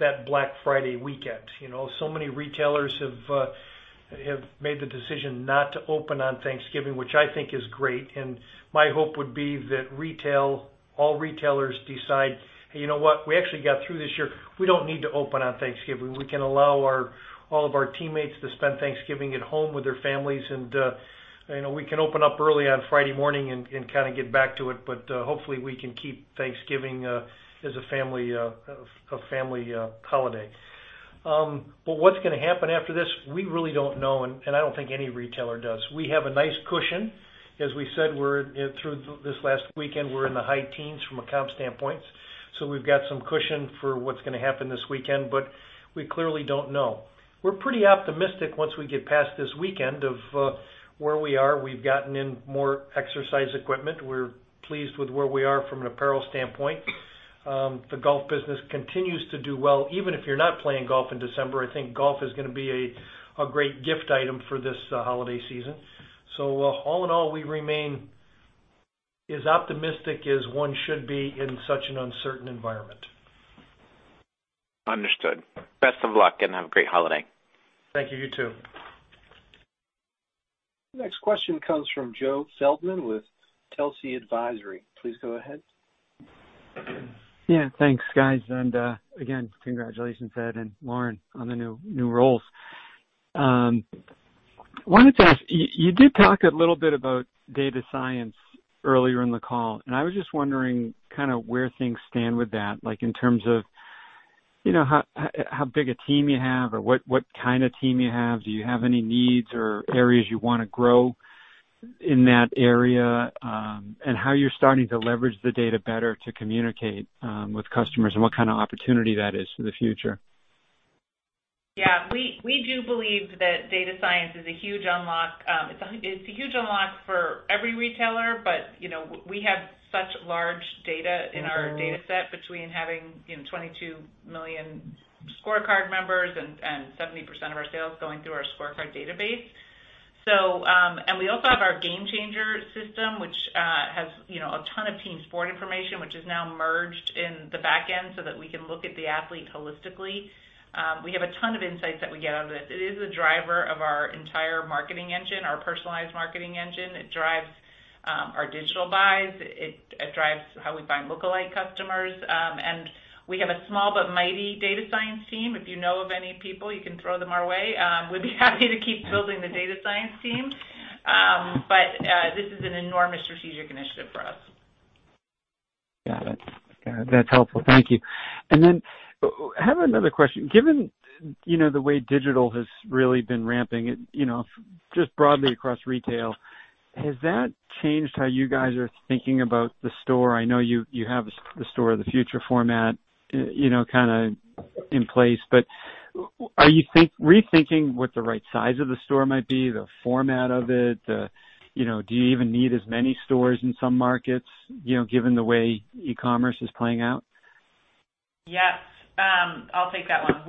that Black Friday weekend. Many retailers have made the decision not to open on Thanksgiving, which I think is great. My hope would be that all retailers decide, "You know what? We actually got through this year. We don't need to open on Thanksgiving. We can allow all of our teammates to spend Thanksgiving at home with their families. We can open up early on Friday morning and kind of get back to it. Hopefully, we can keep Thanksgiving as a family holiday." What's going to happen after this, we really don't know. I don't think any retailer does. We have a nice cushion. As we said, through this last weekend, we're in the high teens from a comp standpoint. We've got some cushion for what's going to happen this weekend. We clearly don't know. We're pretty optimistic once we get past this weekend of where we are. We've gotten in more exercise equipment. We're pleased with where we are from an apparel standpoint. The golf business continues to do well. Even if you're not playing golf in December, I think golf is going to be a great gift item for this holiday season. All in all, we remain as optimistic as one should be in such an uncertain environment. Understood. Best of luck, have a great holiday. Thank you. You too. Next question comes from Joe Feldman with Telsey Advisory. Please go ahead. Yeah. Thanks, guys. Again, congratulations, Ed and Lauren, on the new roles. I wanted to ask. You did talk a little bit about data science earlier in the call. I was just wondering kind of where things stand with that. How big a team you have, or what kind of team you have? Do you have any needs or areas you want to grow in that area? How you're starting to leverage the data better to communicate with customers, and what kind of opportunity that is for the future? Yeah. We do believe that data science is a huge unlock. It's a huge unlock for every retailer, but we have such large data in our data set between having 22 million ScoreCard members and 70% of our sales going through our ScoreCard database. We also have our GameChanger system, which has a ton of team sport information, which is now merged in the back end so that we can look at the athlete holistically. We have a ton of insights that we get out of this. It is a driver of our entire marketing engine, our personalized marketing engine. It drives our digital buys. It drives how we find lookalike customers. We have a small but mighty data science team. If you know of any people, you can throw them our way. We'd be happy to keep building the data science team. This is an enormous strategic initiative for us. Got it. That's helpful. Thank you. I have another question. Given the way digital has really been ramping, just broadly across retail, has that changed how you guys are thinking about the store? I know you have the store of the future format in place. Are you rethinking what the right size of the store might be, the format of it? Do you even need as many stores in some markets, given the way e-commerce is playing out? Yes. I'll take that one. I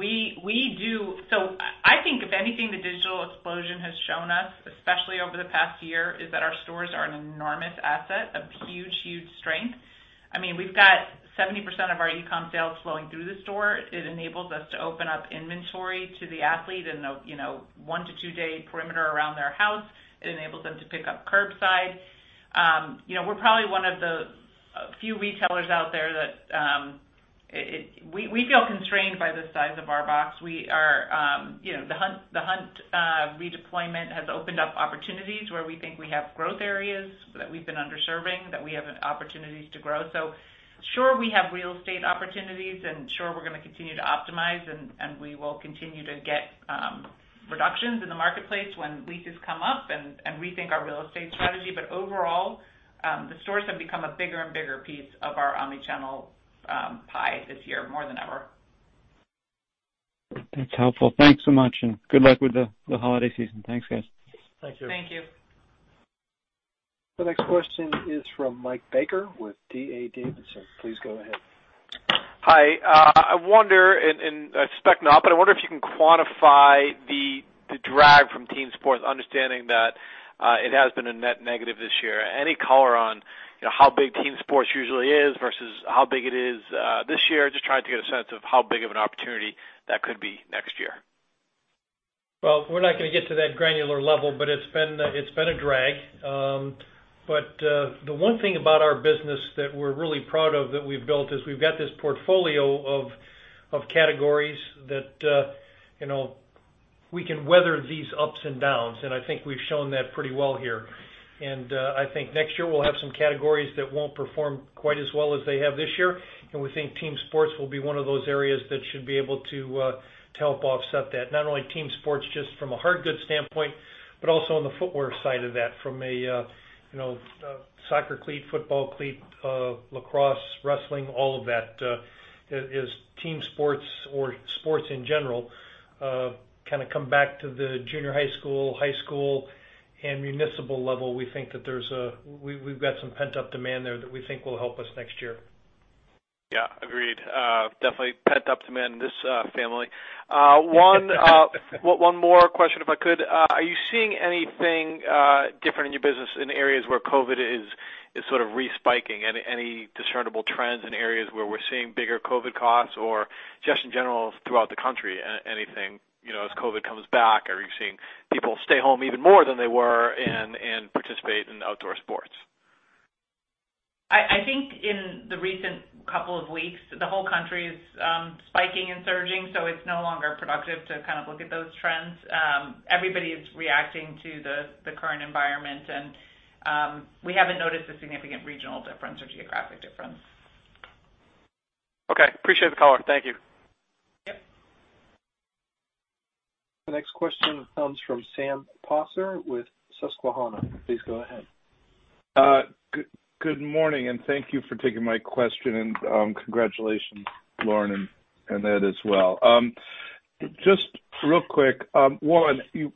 think if anything, the digital explosion has shown us, especially over the past year, is that our stores are an enormous asset, a huge strength. We've got 70% of our e-commerce sales flowing through the store. It enables us to open up inventory to the athlete in a one-to-two-day perimeter around their house. It enables them to pick up curbside. We're probably one of the few retailers out there that we feel constrained by the size of our box. The hunt redeployment has opened up opportunities where we think we have growth areas that we've been underserving, that we have an opportunities to grow. Sure, we have real estate opportunities, and sure, we're going to continue to optimize, and we will continue to get reductions in the marketplace when leases come up and rethink our real estate strategy. Overall, the stores have become a bigger and bigger piece of our omni-channel pie this year, more than ever. That's helpful. Thanks so much, and good luck with the holiday season. Thanks, guys. Thank you. Thank you. The next question is from Mike Baker with D.A. Davidson. Please go ahead. Hi. I expect not, but I wonder if you can quantify the drag from team sports, understanding that it has been a net negative this year. Any color on how big team sports usually is versus how big it is this year? Just trying to get a sense of how big of an opportunity that could be next year. Well, we're not going to get to that granular level, but it's been a drag. The one thing about our business that we're really proud of that we've built is we've got this portfolio of categories that we can weather these ups and downs. I think we've shown that pretty well here. I think next year, we'll have some categories that won't perform quite as well as they have this year. We think team sports will be one of those areas that should be able to help offset that. Not only team sports just from a hard goods standpoint, but also on the footwear side of that, from a soccer cleat, football cleat, lacrosse, wrestling, all of that. As team sports or sports in general come back to the junior high school, high school, and municipal level, we think that we've got some pent-up demand there that we think will help us next year. Yeah. Agreed. Definitely pent-up demand in this family. One more question, if I could. Are you seeing anything different in your business in areas where COVID is sort of respiking? Any discernible trends in areas where we're seeing bigger COVID costs? Or just in general, throughout the country, anything as COVID comes back? Are you seeing people stay home even more than they were and participate in outdoor sports? I think in the recent couple of weeks, the whole country is spiking and surging, so it's no longer productive to look at those trends. Everybody is reacting to the current environment, and we haven't noticed a significant regional difference or geographic difference. Okay. Appreciate the color. Thank you. Yep. The next question comes from Sam Poser with Susquehanna. Please go ahead. Good morning, and thank you for taking my question, and congratulations, Lauren, and Ed as well. Just real quick. One, you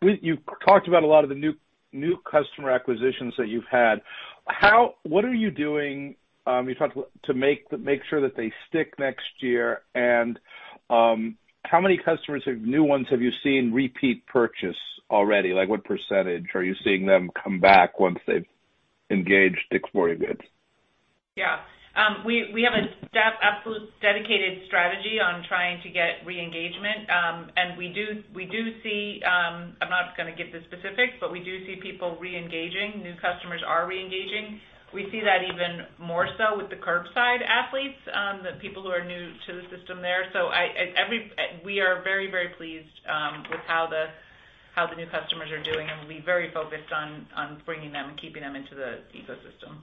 talked about a lot of the new customer acquisitions that you've had. What are you doing to make sure that they stick next year, and how many customers, new ones, have you seen repeat purchase already? What percentage are you seeing them come back once they've engaged DICK’S Sporting Goods? Yeah. We have an absolute dedicated strategy on trying to get re-engagement. I'm not going to get into specifics, but we do see people re-engaging. New customers are re-engaging. We see that even more so with the curbside athletes, the people who are new to the system there. We are very pleased with how the new customers are doing, and we're very focused on bringing them and keeping them into the ecosystem.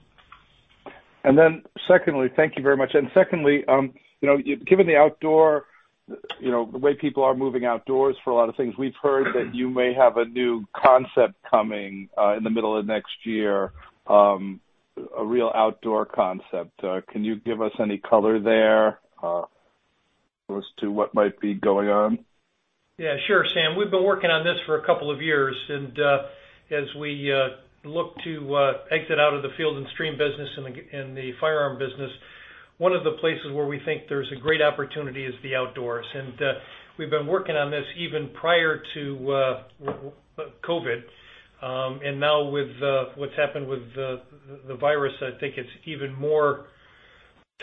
Secondly, thank you very much. Secondly, given the outdoor, the way people are moving outdoors for a lot of things, we've heard that you may have a new concept coming in the middle of next year, a real outdoor concept. Can you give us any color there as to what might be going on? Yeah, sure, Sam. We've been working on this for a couple of years, and as we look to exit out of the Field & Stream business and the firearm business, one of the places where we think there's a great opportunity is the outdoors. We've been working on this even prior to COVID. Now with what's happened with the virus, I think it's even more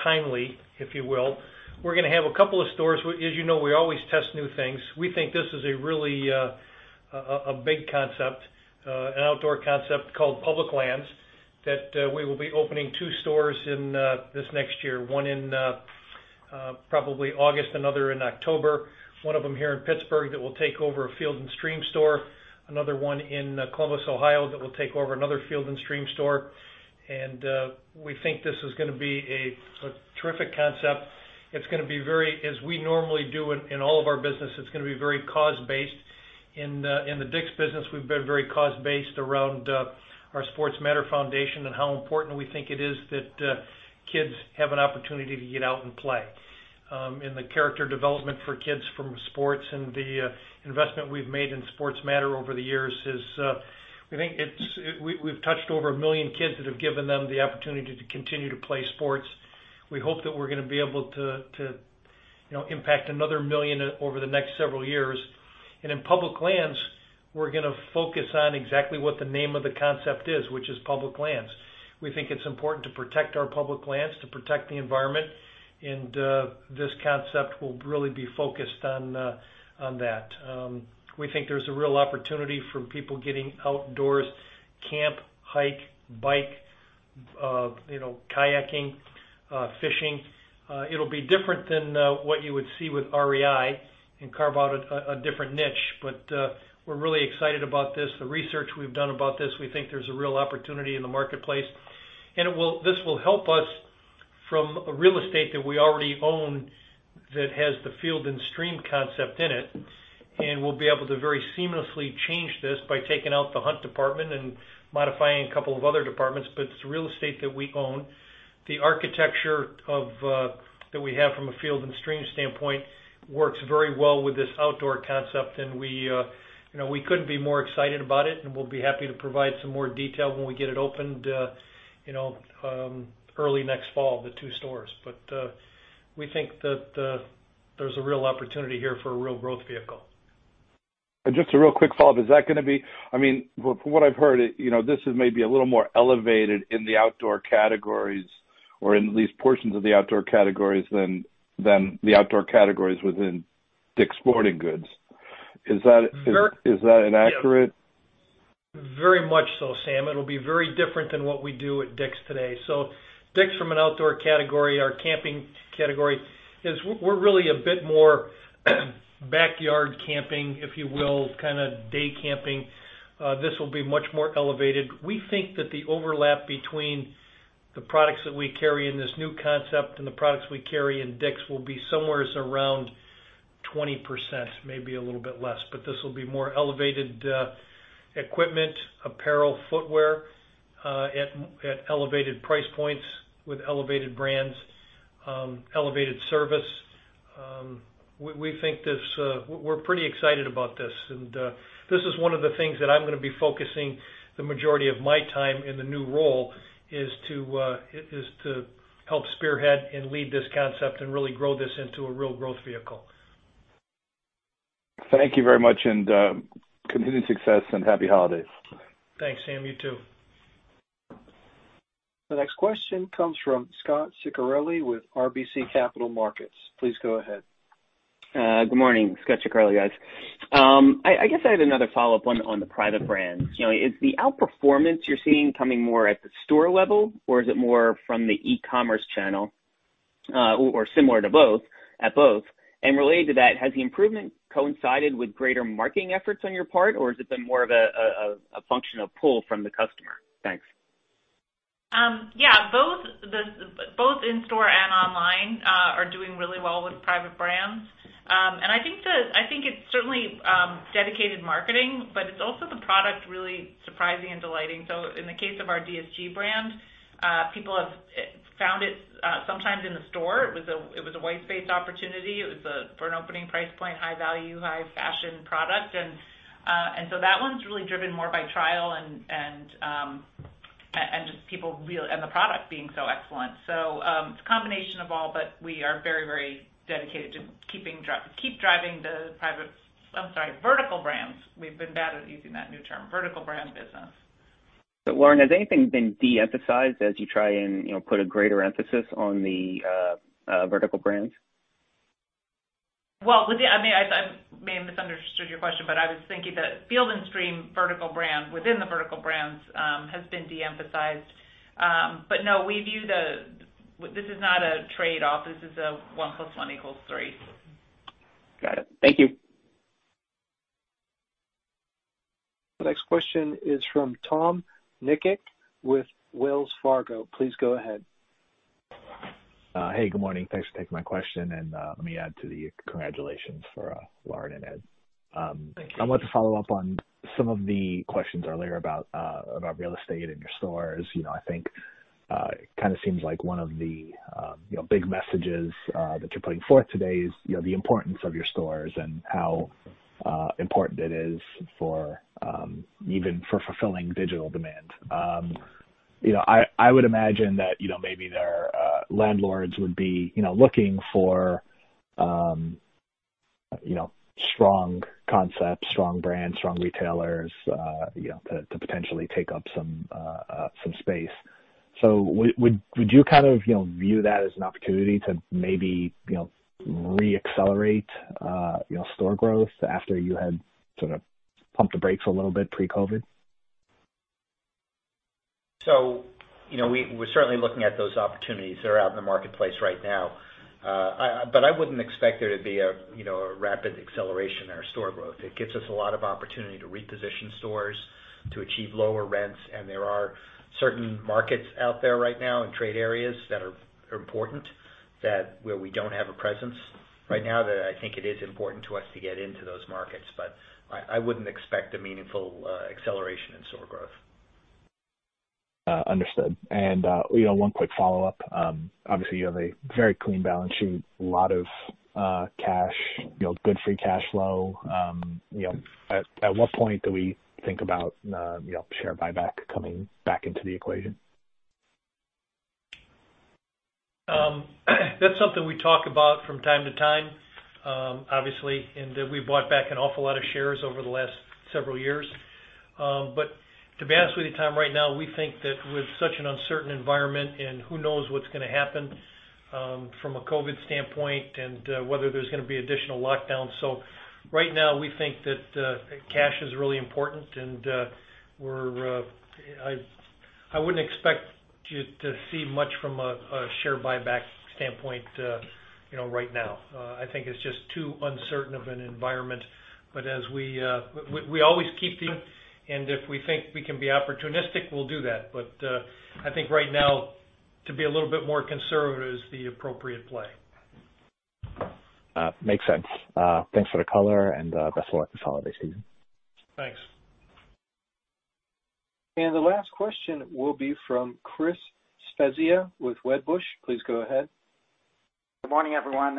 timely, if you will. We're going to have a couple of stores. As you know, we always test new things. We think this is really a big concept, an outdoor concept called Public Lands, that we will be opening two stores in this next year, one in probably August, another in October, one of them here in Pittsburgh that will take over a Field & Stream store, another one in Columbus, Ohio, that will take over another Field & Stream store. We think this is going to be a terrific concept. As we normally do in all of our business, it's going to be very cause-based. In the DICK'S business, we've been very cause-based around our Sports Matter Foundation and how important we think it is that kids have an opportunity to get out and play. The character development for kids from sports and the investment we've made in Sports Matter over the years is, we think we've touched over 1 million kids that have given them the opportunity to continue to play sports. We hope that we're going to be able to impact another 1 million over the next several years. In Public Lands, we're going to focus on exactly what the name of the concept is, which is Public Lands. We think it's important to protect our public lands, to protect the environment, and this concept will really be focused on that. We think there's a real opportunity for people getting outdoors, camp, hike, bike, kayaking, fishing. It'll be different than what you would see with REI and carve out a different niche. We're really excited about this, the research we've done about this. We think there's a real opportunity in the marketplace, and this will help us from real estate that we already own that has the Field & Stream concept in it, and we'll be able to very seamlessly change this by taking out the hunt department and modifying a couple of other departments, but it's real estate that we own. The architecture that we have from a Field & Stream standpoint works very well with this outdoor concept, we couldn't be more excited about it, we'll be happy to provide some more detail when we get it opened early next fall, the two stores. We think that there's a real opportunity here for a real growth vehicle. Just a real quick follow-up. Is that going to be from what I've heard, this is maybe a little more elevated in the outdoor categories or in at least portions of the outdoor categories than the outdoor categories within DICK'S Sporting Goods. Is that inaccurate? Very much so, Sam. It'll be very different than what we do at DICK'S today. DICK'S from an outdoor category, our camping category, is we're really a bit more backyard camping, if you will, kind of day camping. This will be much more elevated. We think that the overlap between the products that we carry in this new concept and the products we carry in DICK'S will be somewhere around 20%, maybe a little bit less. This will be more elevated equipment, apparel, footwear at elevated price points with elevated brands, elevated service. We're pretty excited about this, and this is one of the things that I'm going to be focusing the majority of my time in the new role is to help spearhead and lead this concept and really grow this into a real growth vehicle. Thank you very much and continued success and happy holidays. Thanks, Sam. You too. The next question comes from Scot Ciccarelli with RBC Capital Markets. Please go ahead. Good morning. Scot Ciccarelli, guys. I guess I had another follow-up on the private brands. Is the outperformance you're seeing coming more at the store level, or is it more from the e-commerce channel, or similar to both, at both? Related to that, has the improvement coincided with greater marketing efforts on your part, or has it been more of a function of pull from the customer? Thanks. Yeah. Both in store and online are doing really well with private brands. I think it's certainly dedicated marketing, but it's also the product really surprising and delighting. In the case of our DSG brand, people have found it sometimes in the store. It was a white space opportunity. It was for an opening price point, high value, high fashion product. That one's really driven more by trial and the product being so excellent. It's a combination of all, but we are very dedicated to keep driving the, I'm sorry, vertical brands. We've been bad at using that new term, vertical brand business. Lauren, has anything been de-emphasized as you try and put a greater emphasis on the vertical brands? Well, I may have misunderstood your question. I was thinking that Field & Stream vertical brand within the vertical brands has been de-emphasized. No, this is not a trade-off. This is a one plus one equals three. Got it. Thank you. The next question is from Tom Nikic with Wells Fargo. Please go ahead. Hey, good morning. Thanks for taking my question, and let me add to the congratulations for Lauren and Ed. Thank you. I want to follow up on some of the questions earlier about real estate and your stores. I think it kind of seems like one of the big messages that you're putting forth today is the importance of your stores and how important it is even for fulfilling digital demand. I would imagine that maybe their landlords would be looking for strong concepts, strong brands, strong retailers to potentially take up some space. Would you kind of view that as an opportunity to maybe re-accelerate store growth after you had sort of pumped the brakes a little bit pre-COVID? We're certainly looking at those opportunities that are out in the marketplace right now. I wouldn't expect there to be a rapid acceleration in our store growth. It gives us a lot of opportunity to reposition stores to achieve lower rents. There are certain markets out there right now and trade areas that are important where we don't have a presence right now that I think it is important to us to get into those markets. I wouldn't expect a meaningful acceleration in store growth. Understood. One quick follow-up. Obviously, you have a very clean balance sheet, a lot of cash, good free cash flow. At what point do we think about share buyback coming back into the equation? That's something we talk about from time to time. Obviously, we bought back an awful lot of shares over the last several years. To be honest with you, Tom, right now, we think that with such an uncertain environment and who knows what's going to happen from a COVID standpoint and whether there's going to be additional lockdowns. Right now, we think that cash is really important, and I wouldn't expect you to see much from a share buyback standpoint right now. I think it's just too uncertain of an environment. We always keep, and if we think we can be opportunistic, we'll do that. I think right now, to be a little bit more conservative is the appropriate play. Makes sense. Thanks for the color, and best of luck this holiday season. Thanks. The last question will be from Chris Svezia with Wedbush. Please go ahead. Good morning, everyone.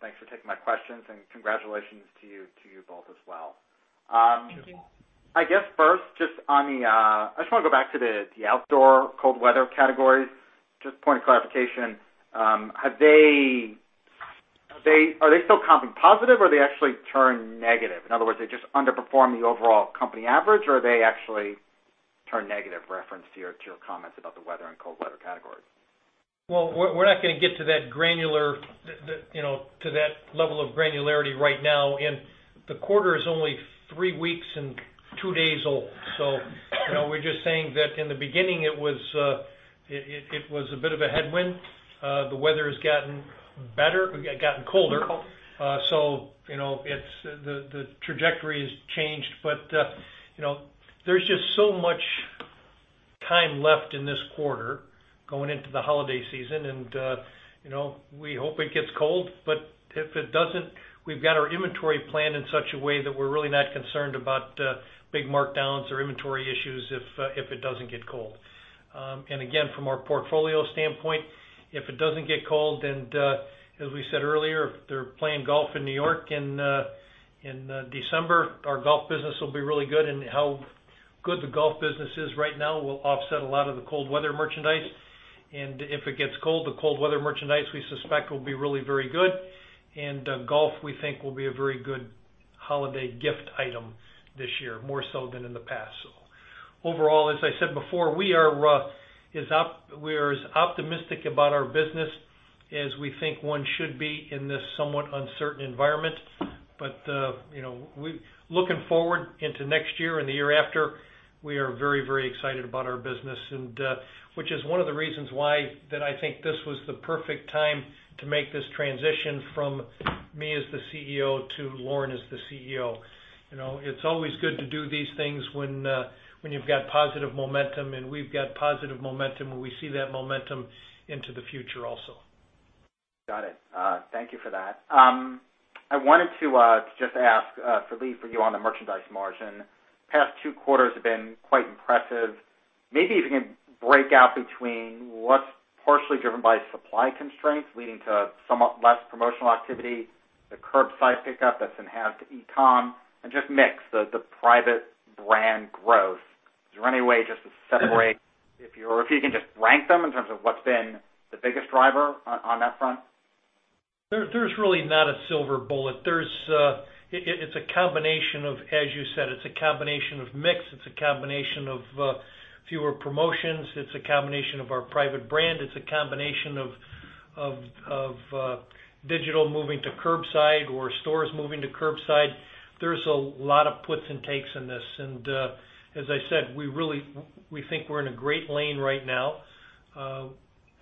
Thanks for taking my questions and congratulations to you both as well. Thank you. I guess first, I just want to go back to the outdoor cold weather categories. Just a point of clarification. Are they still comping positive, or are they actually turning negative? In other words, are they just underperforming the overall company average, or are they actually turning negative, reference to your comments about the weather and cold weather categories? Well, we're not going to get to that level of granularity right now. The quarter is only three weeks and two days old. We're just saying that in the beginning, it was a bit of a headwind. The weather has gotten colder. The trajectory has changed. There's just so much time left in this quarter going into the holiday season, and we hope it gets cold, but if it doesn't, we've got our inventory planned in such a way that we're really not concerned about big markdowns or inventory issues if it doesn't get cold. Again, from our portfolio standpoint, if it doesn't get cold and, as we said earlier, if they're playing golf in New York in December, our golf business will be really good, and how good the golf business is right now will offset a lot of the cold weather merchandise. If it gets cold, the cold weather merchandise, we suspect, will be really very good. Golf, we think, will be a very good holiday gift item this year, more so than in the past. Overall, as I said before, we are as optimistic about our business as we think one should be in this somewhat uncertain environment. Looking forward into next year and the year after, we are very excited about our business, which is one of the reasons why that I think this was the perfect time to make this transition from me as the CEO to Lauren as the CEO. It's always good to do these things when you've got positive momentum, and we've got positive momentum, and we see that momentum into the future also. Got it. Thank you for that. I wanted to just ask for Lee, for you on the merchandise margin. Past two quarters have been quite impressive. Maybe if you can break out between what's partially driven by supply constraints, leading to somewhat less promotional activity, the curbside pickup that's enhanced e-commerce, and just mix the private brand growth. Is there any way just to separate if you can just rank them in terms of what's been the biggest driver on that front? There's really not a silver bullet. It's a combination of, as you said, it's a combination of mix, it's a combination of fewer promotions, it's a combination of our private brand, it's a combination of digital moving to curbside or stores moving to curbside. There's a lot of puts and takes in this. As I said, we think we're in a great lane right now.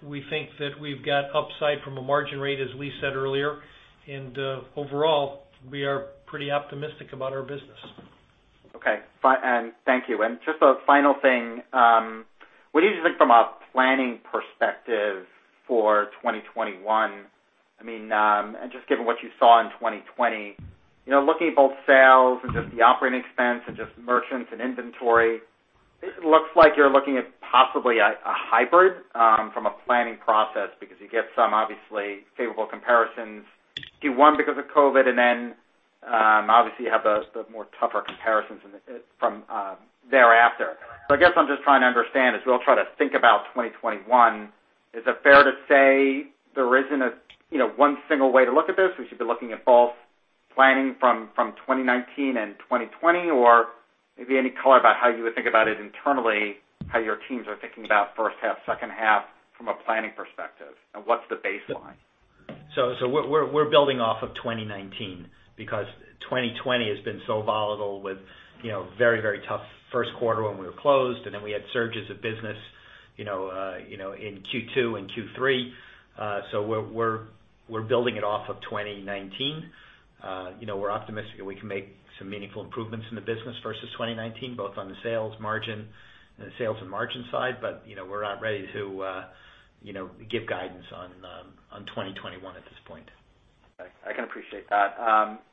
We think that we've got upside from a margin rate, as Lee said earlier, and overall, we are pretty optimistic about our business. Okay. Thank you. Just a final thing. What do you think from a planning perspective for 2021? I mean, just given what you saw in 2020, looking at both sales and just the operating expense and just merchants and inventory, it looks like you're looking at possibly a hybrid from a planning process because you get some obviously favorable comparisons, one because of COVID and then obviously you have the more tougher comparisons from thereafter. I guess what I'm just trying to understand as we all try to think about 2021, is it fair to say there isn't one single way to look at this? We should be looking at both planning from 2019 and 2020, or maybe any color about how you would think about it internally, how your teams are thinking about first half, second half from a planning perspective and what's the baseline? We're building off of 2019 because 2020 has been so volatile with very tough first quarter when we were closed, and then we had surges of business in Q2 and Q3. We're building it off of 2019. We're optimistic that we can make some meaningful improvements in the business versus 2019, both on the sales and margin side, but we're not ready to give guidance on 2021 at this point. I can appreciate that.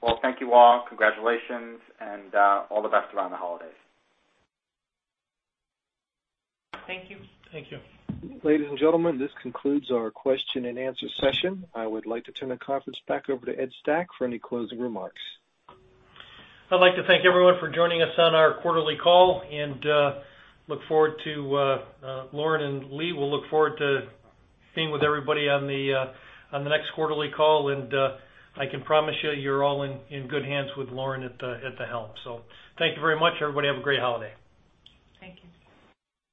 Well, thank you all. Congratulations and all the best around the holidays. Thank you. Thank you. Ladies and gentlemen, this concludes our question and answer session. I would like to turn the conference back over to Ed Stack for any closing remarks. I'd like to thank everyone for joining us on our quarterly call, and look forward to Lauren and Lee. We'll look forward to being with everybody on the next quarterly call. I can promise you're all in good hands with Lauren at the helm. Thank you very much, everybody. Have a great holiday.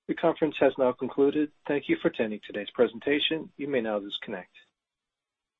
Thank you. The conference has now concluded. Thank you for attending today's presentation. You may now disconnect.